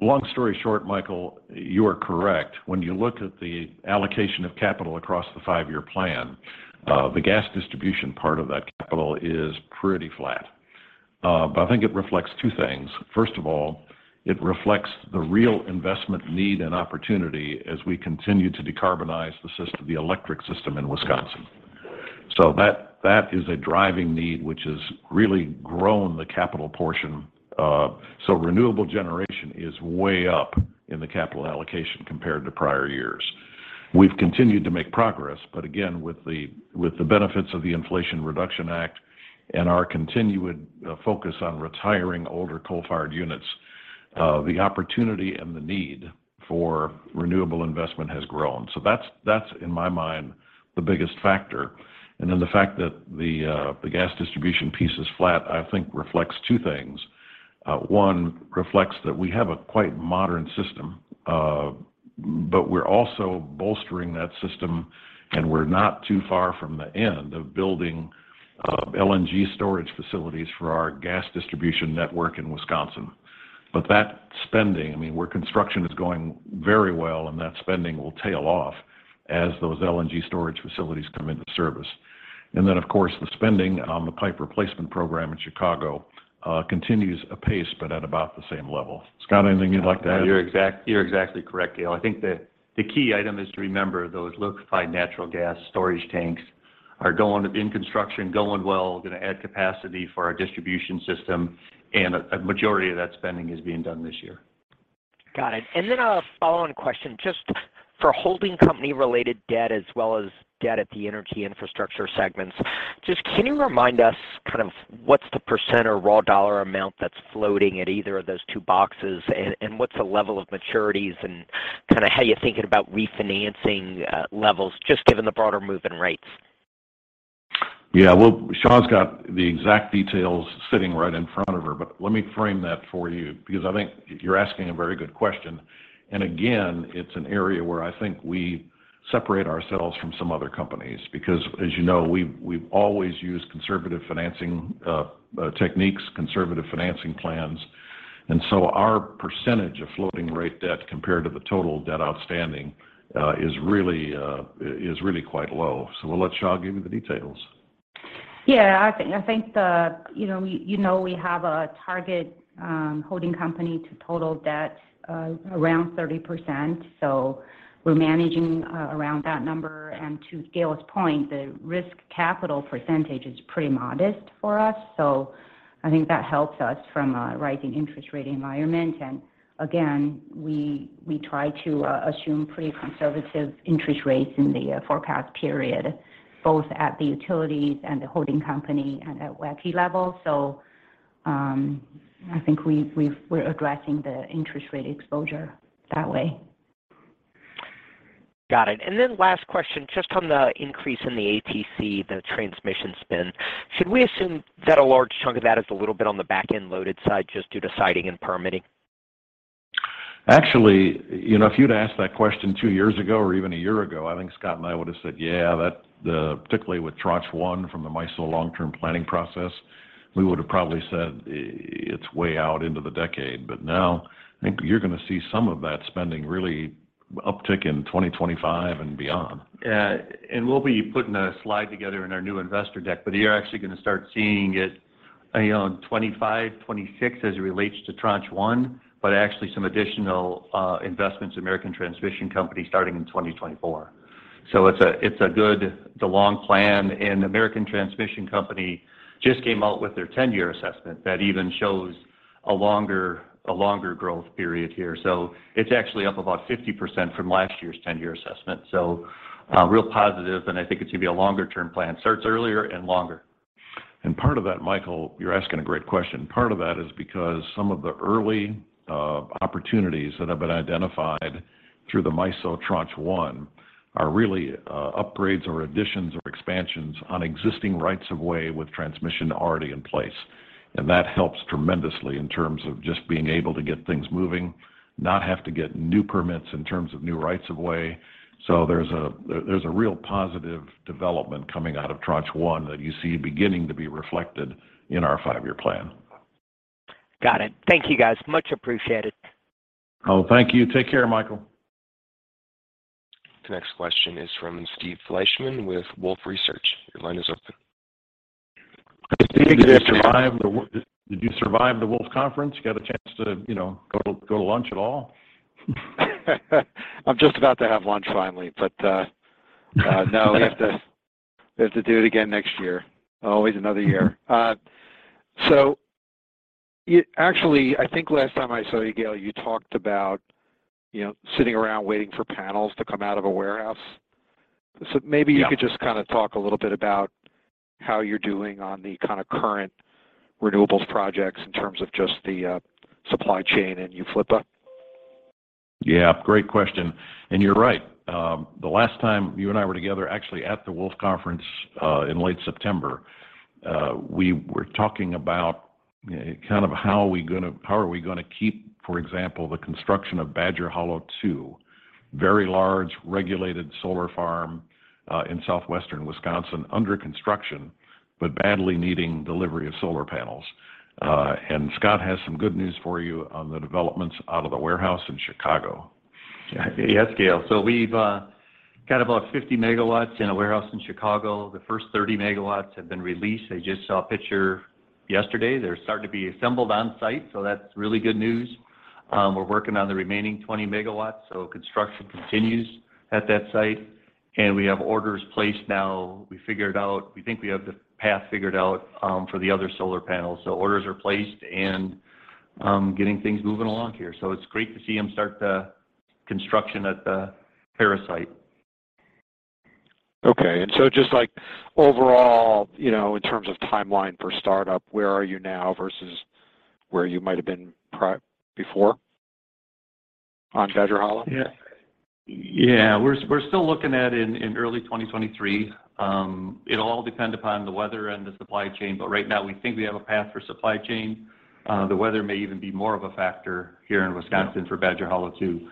Long story short, Michael, you are correct. When you look at the allocation of capital across the five-year plan, the gas distribution part of that capital is pretty flat. I think it reflects two things. First of all, it reflects the real investment need and opportunity as we continue to decarbonize the electric system in Wisconsin. That is a driving need which has really grown the capital portion. Renewable generation is way up in the capital allocation compared to prior years. We've continued to make progress, but again, with the benefits of the Inflation Reduction Act and our continued focus on retiring older coal-fired units, the opportunity and the need for renewable investment has grown. That's in my mind the biggest factor. The fact that the gas distribution piece is flat I think reflects two things. One reflects that we have a quite modern system, but we're also bolstering that system, and we're not too far from the end of building LNG storage facilities for our gas distribution network in Wisconsin. That spending, I mean, where construction is going very well and that spending will tail off as those LNG storage facilities come into service. Of course, the spending on the pipe replacement program in Chicago continues apace but at about the same level. Scott, anything you'd like to add? You're exactly correct, Gale. I think the key item is to remember those liquefied natural gas storage tanks are going into construction, going well, gonna add capacity for our distribution system, and a majority of that spending is being done this year. Got it. A follow-on question, just for holding company related debt as well as debt at the energy infrastructure segments, just can you remind us kind of what's the percent or raw dollar amount that's floating at either of those two boxes, and what's the level of maturities and kinda how you're thinking about refinancing levels, just given the broader move in rates? Yeah. Well, Xia's got the exact details sitting right in front of her, but let me frame that for you because I think you're asking a very good question. Again, it's an area where I think we separate ourselves from some other companies because, as you know, we've always used conservative financing techniques, conservative financing plans, and so our percentage of floating rate debt compared to the total debt outstanding is really quite low. I'll let Xia give you the details. Yeah. I think you know we have a target holding company to total debt around 30%, so we're managing around that number. To Gale's point, the risk capital percentage is pretty modest for us, so I think that helps us from a rising interest rate environment. Again, we try to assume pretty conservative interest rates in the forecast period, both at the utilities and the holding company and at WECI level. I think we're addressing the interest rate exposure that way. Got it. Last question, just on the increase in the ATC, the transmission spend. Should we assume that a large chunk of that is a little bit on the back-end-loaded side just due to siting and permitting? Actually, you know, if you'd asked that question two years ago or even a year ago, I think Scott and I would have said, "Yeah, that." Particularly with Tranche 1 from the MISO long-term planning process, we would have probably said it's way out into the decade. Now, I think you're gonna see some of that spending really uptick in 2025 and beyond. Yeah. We'll be putting a slide together in our new investor deck. But you're actually gonna start seeing it, you know, in 2025, 2026 as it relates to Tranche 1. Actually some additional investments in American Transmission Company starting in 2024. It's a good long plan, and American Transmission Company just came out with their 10-year assessment that even shows a longer growth period here. It's actually up about 50% from last year's 10-year assessment. Real positive, and I think it's gonna be a longer term plan. Starts earlier and longer. Part of that, Michael, you're asking a great question. Part of that is because some of the early opportunities that have been identified through the MISO Tranche 1 are really upgrades or additions or expansions on existing rights of way with transmission already in place. That helps tremendously in terms of just being able to get things moving, not have to get new permits in terms of new rights of way. There's a real positive development coming out of Tranche 1 that you see beginning to be reflected in our five-year plan. Got it. Thank you, guys. Much appreciated. Oh, thank you. Take care, Michael. The next question is from Steve Fleishman with Wolfe Research. Your line is open. Hey, Steve. Did you survive the Wolfe Conference? Get a chance to, you know, go to lunch at all? I'm just about to have lunch finally. No, we have to do it again next year. Always another year. Actually, I think last time I saw you, Gale, you talked about, you know, sitting around waiting for panels to come out of a warehouse. Maybe- Yeah.... you could just kinda talk a little bit about how you're doing on the kinda current renewables projects in terms of just the supply chain and UFLPA. Yeah, great question. You're right. The last time you and I were together actually at the Wolfe Conference in late September we were talking about how are we gonna keep, for example, the construction of Badger Hollow II, very large regulated solar farm in southwestern Wisconsin under construction, but badly needing delivery of solar panels. Scott has some good news for you on the developments out of the warehouse in Chicago. Yeah. Yes, Gale. We've got about 50 MW in a warehouse in Chicago. The first 30 MW have been released. I just saw a picture yesterday. They're starting to be assembled on site, so that's really good news. We're working on the remaining 20 MW, so construction continues at that site. We have orders placed now. We think we have the path figured out for the other solar panels. Orders are placed and getting things moving along here. It's great to see them start the construction at the Paris site. Okay. Just, like, overall, you know, in terms of timeline for startup, where are you now versus where you might've been before on Badger Hollow? Yeah. We're still looking at in early 2023. It'll all depend upon the weather and the supply chain, but right now we think we have a path for supply chain. The weather may even be more of a factor here in Wisconsin for Badger Hollow II.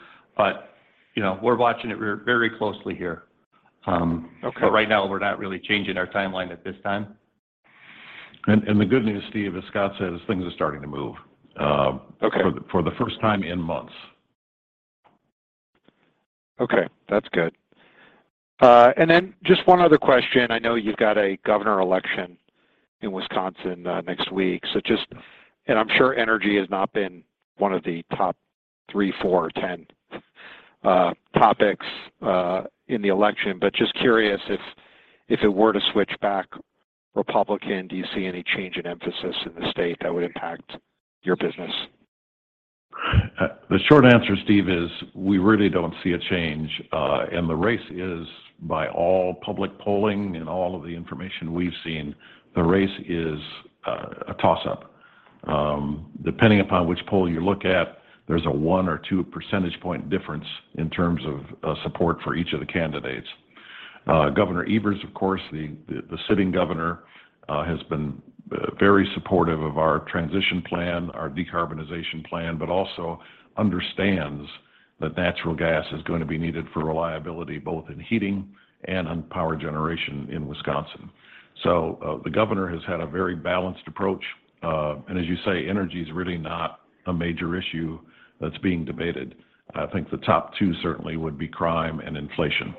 You know, we're watching it very closely here. Okay. Right now we're not really changing our timeline at this time. The good news, Steve, as Scott said, is things are starting to move- Okay.... for the first time in months. Okay, that's good. Then just one other question. I know you've got a governor election in Wisconsin next week, so just, I'm sure energy has not been one of the top three, four, or ten topics in the election, but just curious if it were to switch back Republican, do you see any change in emphasis in the state that would impact your business? The short answer, Steve, is we really don't see a change. The race is, by all public polling and all of the information we've seen, a toss-up. Depending upon which poll you look at, there's a 1 percentage point or 2 percentage point difference in terms of support for each of the candidates. Governor Evers, of course, the sitting governor, has been very supportive of our transition plan, our decarbonization plan, but also understands that natural gas is going to be needed for reliability both in heating and on power generation in Wisconsin. The governor has had a very balanced approach. As you say, energy's really not a major issue that's being debated. I think the top two certainly would be crime and inflation.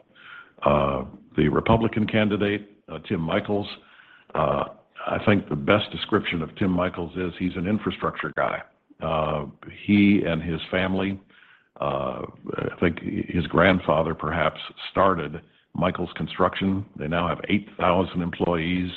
The Republican candidate, Tim Michels, I think the best description of Tim Michels is he's an infrastructure guy. He and his family, I think his grandfather perhaps, started Michels Construction. They now have 8,000 employees,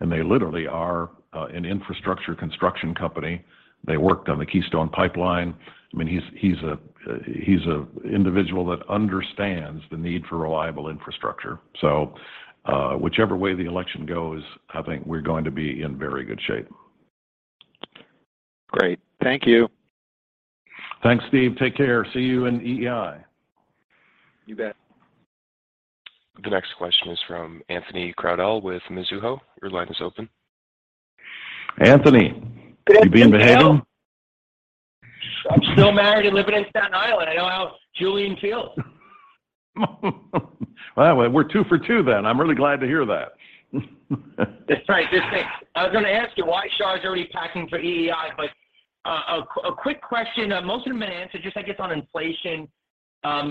and they literally are an infrastructure construction company. They worked on the Keystone Pipeline. I mean, he's an individual that understands the need for reliable infrastructure. Whichever way the election goes, I think we're going to be in very good shape. Great. Thank you. Thanks, Steve. Take care. See you in EEI. You bet. The next question is from Anthony Crowdell with Mizuho. Your line is open. Anthony, you being behaving? I'm still married and living in Staten Island. I don't know how Julien feels. Well, we're two for two then. I'm really glad to hear that. That's right. Just saying. I was gonna ask you why Shar's already packing for EEI, but a quick question, most of them have been answered, just I guess on inflation.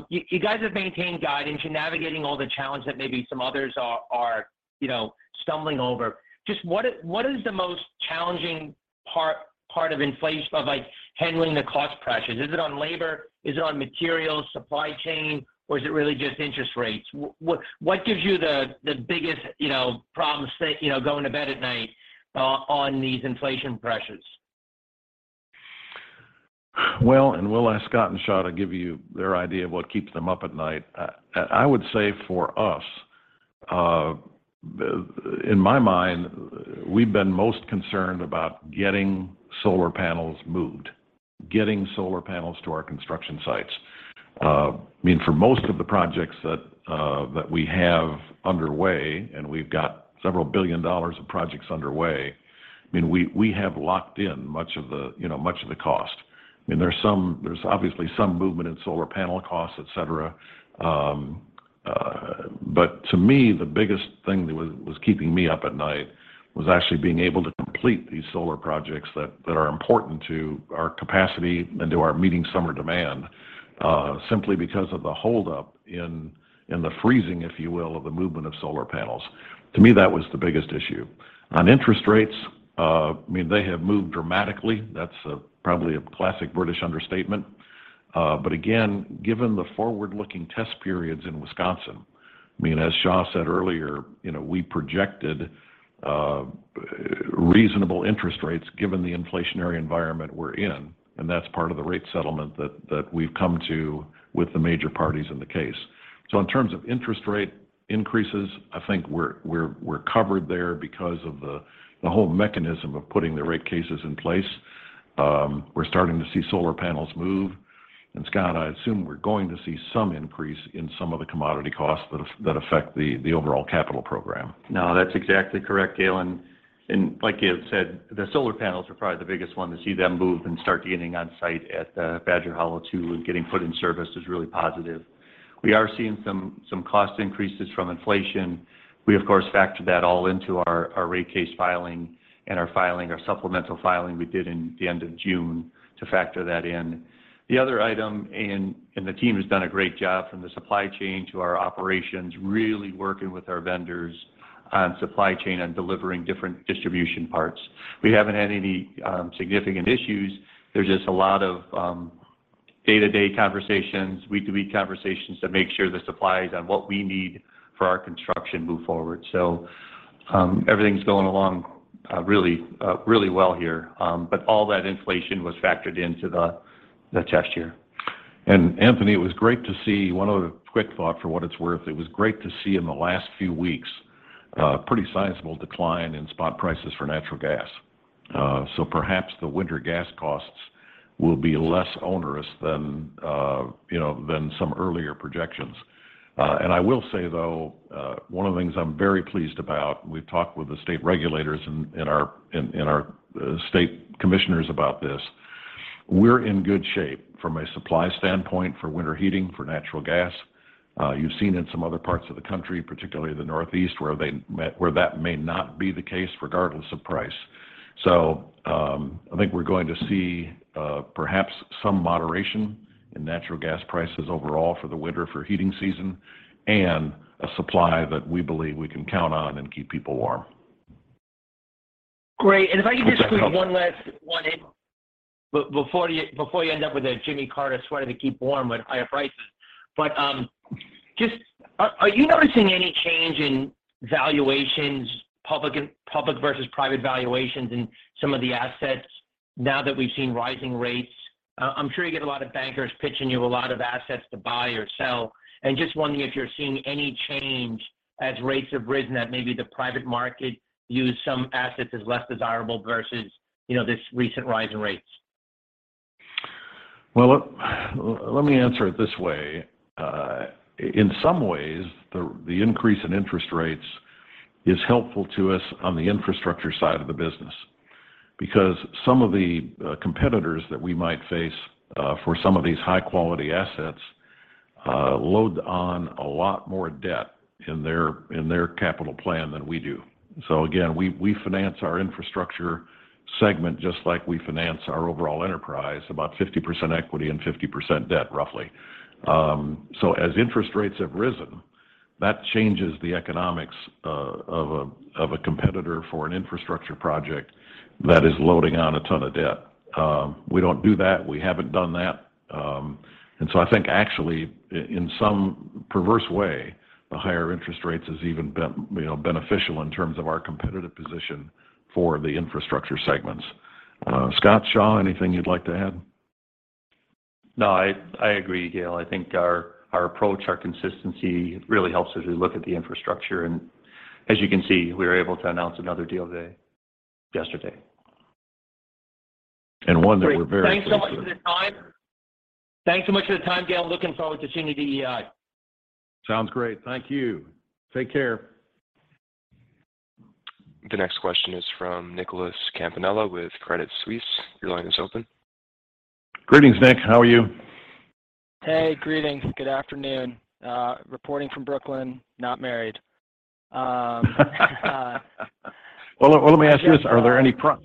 You guys have maintained guidance. You're navigating all the challenge that maybe some others are, you know, stumbling over. Just what is the most challenging part of inflation of like handling the cost pressures? Is it on labor? Is it on materials, supply chain, or is it really just interest rates? What gives you the biggest, you know, problems you know going to bed at night on these inflation pressures? Well, we'll ask Scott and Xia to give you their idea of what keeps them up at night. I would say for us, in my mind, we've been most concerned about getting solar panels moved. Getting solar panels to our construction sites. I mean, for most of the projects that we have underway, and we've got several billion dollars of projects underway, I mean, we have locked in much of the, you know, much of the cost. I mean, there's obviously some movement in solar panel costs, et cetera. To me, the biggest thing that was keeping me up at night was actually being able to complete these solar projects that are important to our capacity and to our meeting summer demand. Simply because of the hold up in and the freezing, if you will, of the movement of solar panels. To me, that was the biggest issue. On interest rates, I mean, they have moved dramatically. That's probably a classic British understatement. But again, given the forward-looking test periods in Wisconsin, I mean, as Xia said earlier, you know, we projected reasonable interest rates given the inflationary environment we're in, and that's part of the rate settlement that we've come to with the major parties in the case. In terms of interest rate increases, I think we're covered there because of the whole mechanism of putting the rate cases in place. We're starting to see solar panels move. Scott, I assume we're going to see some increase in some of the commodity costs that affect the overall capital program. No, that's exactly correct, Gale. Like you had said, the solar panels are probably the biggest one to see them move and start getting on site at Badger Hollow II, and getting put in service is really positive. We are seeing some cost increases from inflation. We of course factored that all into our rate case filing and our supplemental filing we did in the end of June to factor that in. The other item, the team has done a great job from the supply chain to our operations, really working with our vendors on supply chain and delivering different distribution parts. We haven't had any significant issues. There's just a lot of day-to-day conversations, week-to-week conversations to make sure the supply is on what we need for our construction move forward. Everything's going along really well here. All that inflation was factored into the test year. Anthony, it was great to see one other quick thought for what it's worth. It was great to see in the last few weeks, pretty sizable decline in spot prices for natural gas. So perhaps the winter gas costs will be less onerous than, you know, than some earlier projections. I will say, though, one of the things I'm very pleased about, we've talked with the state regulators and our state commissioners about this. We're in good shape from a supply standpoint for winter heating, for natural gas. You've seen in some other parts of the country, particularly the Northeast, where that may not be the case regardless of price. I think we're going to see, perhaps some moderation in natural gas prices overall for the winter, for heating season, and a supply that we believe we can count on and keep people warm. Great. If I could just do one last one in before you end up with a Jimmy Carter sweater to keep warm with higher prices. Just, are you noticing any change in valuations, public versus private valuations in some of the assets now that we've seen rising rates? I'm sure you get a lot of bankers pitching you a lot of assets to buy or sell. Just wondering if you're seeing any change as rates have risen that maybe the private market views some assets as less desirable versus, you know, this recent rise in rates. Well, let me answer it this way. In some ways, the increase in interest rates is helpful to us on the infrastructure side of the business because some of the competitors that we might face for some of these high-quality assets load on a lot more debt in their capital plan than we do. Again, we finance our infrastructure segment just like we finance our overall enterprise, about 50% equity and 50% debt, roughly. As interest rates have risen, that changes the economics of a competitor for an infrastructure project that is loading on a ton of debt. We don't do that. We haven't done that. I think actually in some perverse way, the higher interest rates is even beneficial, you know, in terms of our competitive position for the infrastructure segments. Scott, Xia, anything you'd like to add? No, I agree, Gale. I think our approach, our consistency really helps as we look at the infrastructure. As you can see, we were able to announce another deal yesterday. One that we're very pleased with. Thanks so much for the time. Thanks so much for the time, Gale. Looking forward to seeing you at EEI. Sounds great. Thank you. Take care. The next question is from Nicholas Campanella with Credit Suisse. Your line is open. Greetings, Nick. How are you? Hey, greetings. Good afternoon. Reporting from Brooklyn, not married. Well, let me ask you this. Are there any prospects,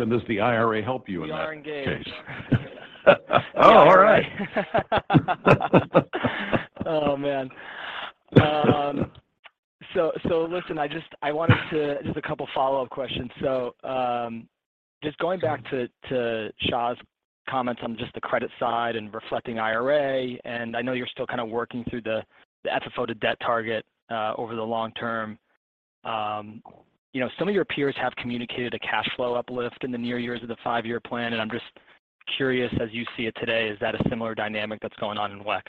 and does the IRA help you in that case? We are engaged. Oh, all right. Oh, man. I wanted to just a couple follow-up questions. Just going back to Xia's comments on just the credit side and reflecting IRA, and I know you're still kind of working through the FFO-to-debt target over the long term. You know, some of your peers have communicated a cash flow uplift in the near years of the five-year plan. I'm just curious, as you see it today, is that a similar dynamic that's going on in WEC?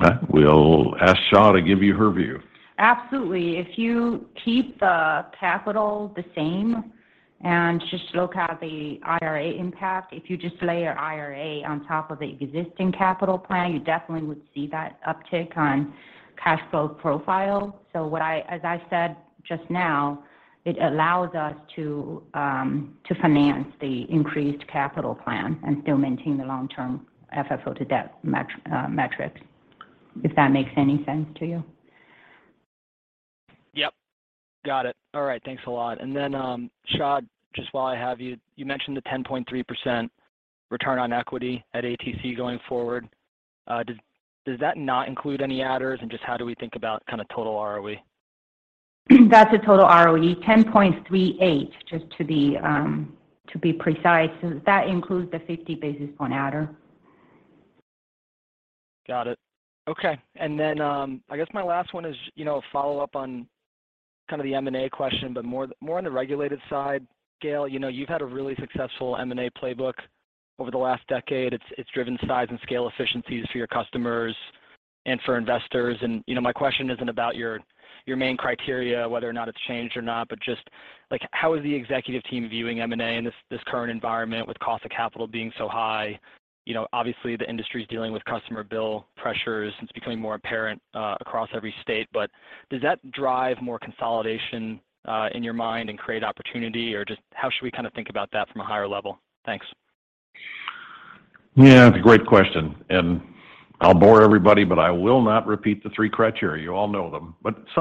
I will ask Xia to give you her view. Absolutely. If you keep the capital the same and just look at the IRA impact, if you just lay your IRA on top of the existing capital plan, you definitely would see that uptick on cash flow profile. As I said just now, it allows us to finance the increased capital plan and still maintain the long-term FFO-to-debt metrics, if that makes any sense to you. Yep. Got it. All right. Thanks a lot. Then, Xia, just while I have you mentioned the 10.3% return on equity at ATC going forward. Does that not include any adders and just how do we think about kind of total ROE? That's a total ROE 10.38%, just to be precise. That includes the 50 basis point adder. Got it. Okay. I guess my last one is, you know, a follow-up on kind of the M&A question. More on the regulated side. Gale, you know, you've had a really successful M&A playbook over the last decade. It's driven size and scale efficiencies for your customers and for investors. You know, my question isn't about your main criteria, whether or not it's changed or not, but just, like, how is the executive team viewing M&A in this current environment with cost of capital being so high? You know, obviously the industry is dealing with customer bill pressures, and it's becoming more apparent across every state. Does that drive more consolidation in your mind and create opportunity? Just how should we kind of think about that from a higher level? Thanks. Yeah, that's a great question, and I'll bore everybody, but I will not repeat the three criteria. You all know them.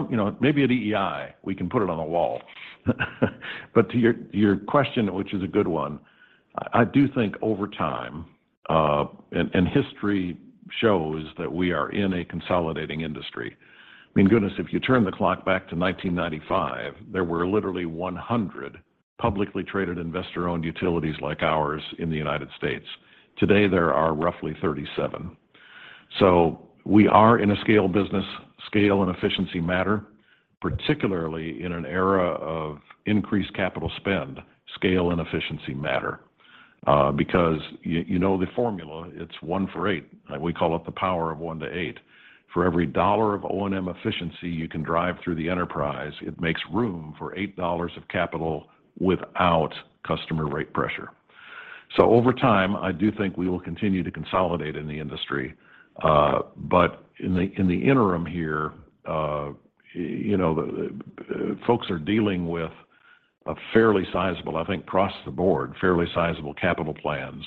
You know, maybe at EEI, we can put it on the wall. To your question, which is a good one, I do think over time, history shows that we are in a consolidating industry. I mean, goodness, if you turn the clock back to 1995, there were literally 100 publicly traded investor-owned utilities like ours in the United States. Today, there are roughly 37. We are in a scale business. Scale and efficiency matter, particularly in an era of increased capital spend. Scale and efficiency matter, because you know the formula, it's one for eight. We call it the power of one to eight. For every $1 of O&M efficiency you can drive through the enterprise, it makes room for $8 of capital without customer rate pressure. Over time, I do think we will continue to consolidate in the industry. In the interim here, you know, folks are dealing with a fairly sizable, I think across the board, fairly sizable capital plans.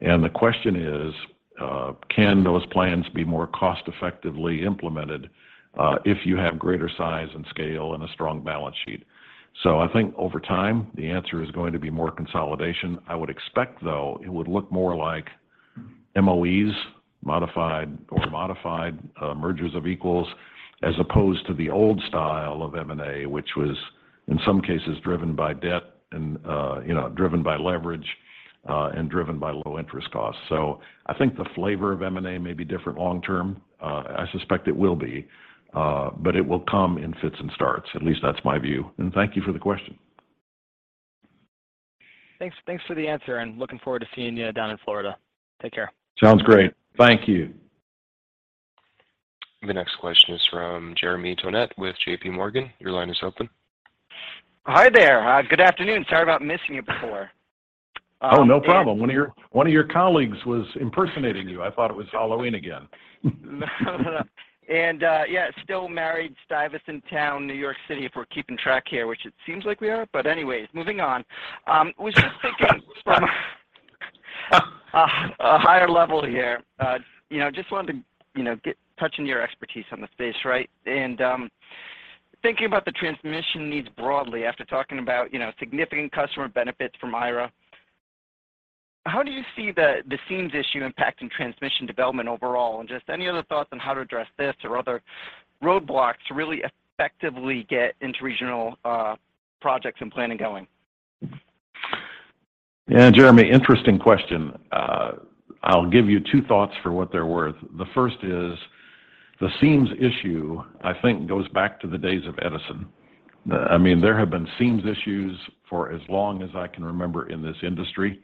The question is, can those plans be more cost-effectively implemented, if you have greater size and scale and a strong balance sheet? I think over time, the answer is going to be more consolidation. I would expect, though, it would look more like MOEs, modified mergers of equals, as opposed to the old style of M&A, which was in some cases driven by debt and, you know, driven by leverage, and driven by low interest costs. I think the flavor of M&A may be different long term. I suspect it will be, but it will come in fits and starts. At least that's my view, and thank you for the question. Thanks for the answer, and looking forward to seeing you down in Florida. Take care. Sounds great. Thank you. The next question is from Jeremy Tonet with JPMorgan. Your line is open. Hi there. Good afternoon. Sorry about missing you before. Oh, no problem. One of your colleagues was impersonating you. I thought it was Halloween again. Yeah, still married. Stuyvesant Town, New York City, if we're keeping track here, which it seems like we are. Anyways, moving on. Was just thinking from a higher level here, you know, just wanted to, you know, touch on your expertise on the space, right? Thinking about the transmission needs broadly after talking about, you know, significant customer benefits from IRA, how do you see the seams issue impacting transmission development overall? Just any other thoughts on how to address this or other roadblocks to really effectively get interregional projects and planning going? Yeah. Jeremy, interesting question. I'll give you two thoughts for what they're worth. The first is the seams issue, I think, goes back to the days of Edison. I mean, there have been seams issues for as long as I can remember in this industry.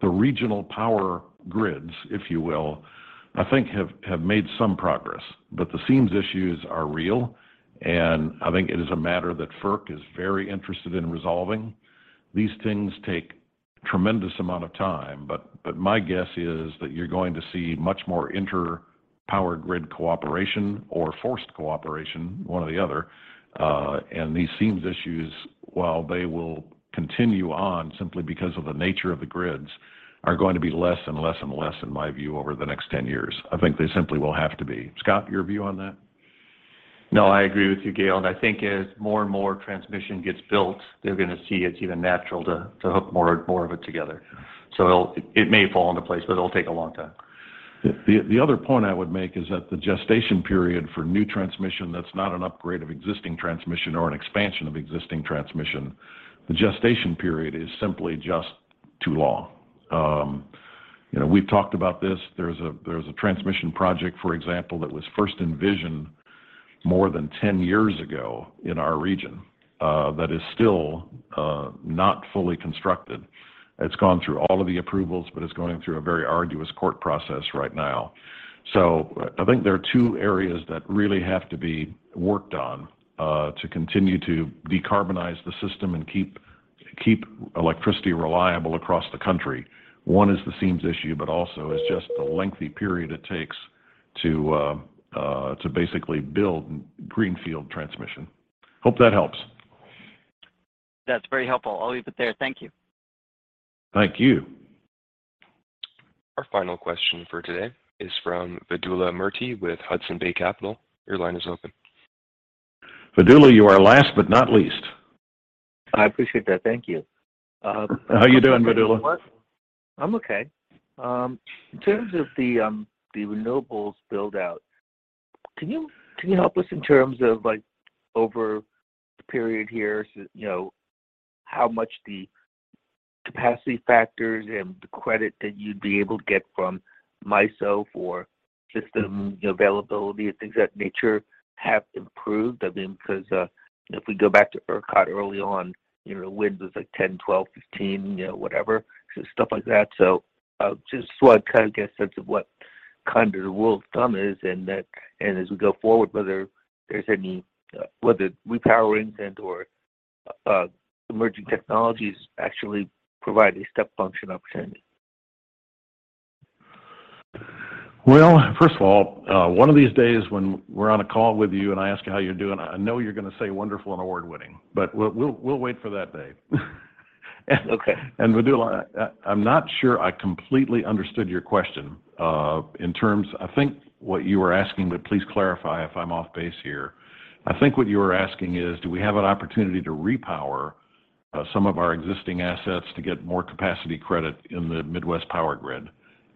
The regional power grids, if you will, I think have made some progress. But the seams issues are real, and I think it is a matter that FERC is very interested in resolving. These things take a tremendous amount of time, but my guess is that you're going to see much more inter-power grid cooperation or forced cooperation, one or the other. And these seams issues, while they will continue on simply because of the nature of the grids, are going to be less and less and less in my view over the next 10 years. I think they simply will have to be. Scott, your view on that? No, I agree with you, Gale. I think as more and more transmission gets built, they're going to see it's even natural to hook more of it together. It may fall into place, but it'll take a long time. The other point I would make is that the gestation period for new transmission that's not an upgrade of existing transmission or an expansion of existing transmission, the gestation period is simply just too long. You know, we've talked about this. There's a transmission project, for example, that was first envisioned more than 10 years ago in our region, that is still not fully constructed. It's gone through all of the approvals, but it's going through a very arduous court process right now. I think there are two areas that really have to be worked on to continue to decarbonize the system and keep electricity reliable across the country. One is the seams issue, but also is just the lengthy period it takes to basically build greenfield transmission. Hope that helps. That's very helpful. I'll leave it there. Thank you. Thank you. Our final question for today is from Vedula Murti with Hudson Bay Capital. Your line is open. Vedula, you are last but not least. I appreciate that, thank you. How you doing, Vedula? I'm okay. In terms of the renewables build-out, can you help us in terms of like over the period here, you know, how much the capacity factors and the credit that you'd be able to get from MISO for system availability and things of that nature have improved? I mean, because if we go back to ERCOT early on, you know, wind was like 10%, 12%, 15%, you know, whatever, stuff like that. Just thought kind of get a sense of what kind of the rule of thumb is and that, and as we go forward, whether there's any, whether repowering wind or emerging technologies actually provide a step function opportunity. Well, first of all, one of these days when we're on a call with you and I ask you how you're doing, I know you're gonna say wonderful and award-winning. We'll wait for that day. Okay. Vedula, I'm not sure I completely understood your question. I think what you were asking, but please clarify if I'm off-base here. I think what you were asking is, do we have an opportunity to repower some of our existing assets to get more capacity credit in the Midwest power grid?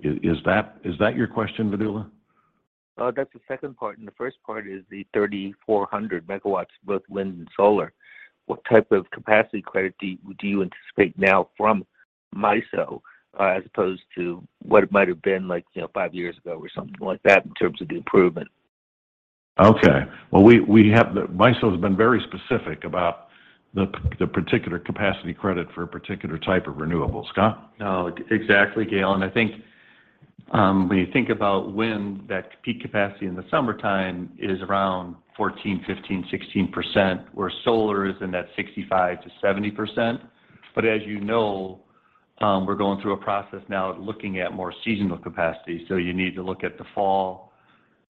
Is that your question, Vedula? That's the second part. The first part is the 3,400 MW, both wind and solar. What type of capacity credit do you anticipate now from MISO as opposed to what it might have been like, you know, five years ago or something like that in terms of the improvement? Okay. Well, MISO has been very specific about the particular capacity credit for a particular type of renewable. Scott? No, exactly, Gale. I think when you think about wind, that peak capacity in the summertime is around 14%, 15%, 16%, where solar is in that 65%-70%. As you know, we're going through a process now looking at more seasonal capacity. You need to look at the fall,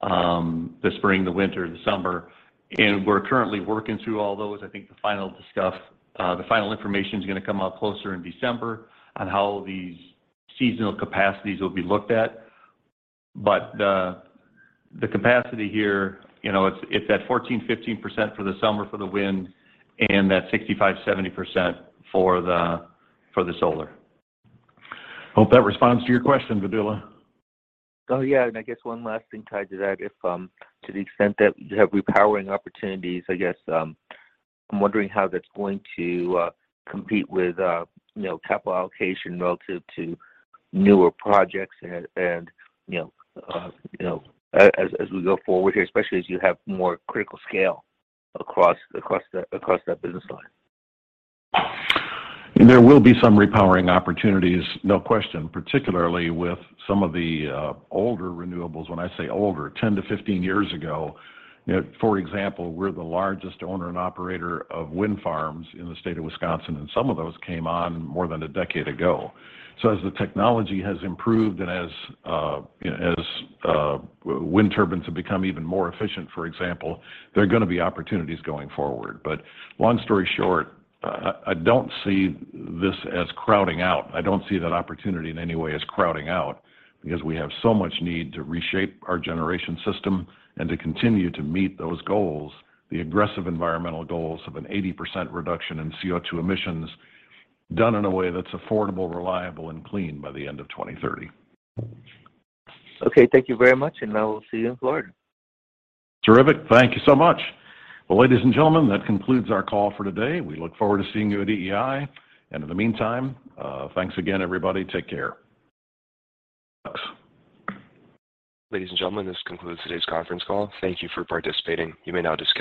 the spring, the winter, the summer, and we're currently working through all those. I think the final information is gonna come out closer in December on how these seasonal capacities will be looked at. The capacity here, you know, it's at 14%-15% for the summer for the wind and that 65%-70% for the solar. Hope that responds to your question, Vedula. Oh, yeah. I guess one last thing tied to that. If, to the extent that you have repowering opportunities, I guess, I'm wondering how that's going to compete with, you know, capital allocation relative to newer projects. You know, as we go forward here, especially as you have more critical scale across that business line. There will be some repowering opportunities, no question. Particularly with some of the older renewables. When I say older, 10-15 years ago. You know, for example, we're the largest owner and operator of wind farms in the state of Wisconsin, and some of those came on more than a decade ago. As the technology has improved and as, you know, as, wind turbines have become even more efficient, for example, there are gonna be opportunities going forward. Long story short, I don't see this as crowding out. I don't see that opportunity in any way as crowding out, because we have so much need to reshape our generation system and to continue to meet those goals, the aggressive environmental goals of an 80% reduction in CO2 emissions done in a way that's affordable, reliable, and clean by the end of 2030. Okay, thank you very much, and I will see you in Florida. Terrific. Thank you so much. Well, ladies and gentlemen, that concludes our call for today. We look forward to seeing you at EEI. In the meantime, thanks again, everybody. Take care. Ladies and gentlemen, this concludes today's conference call. Thank you for participating. You may now disconnect.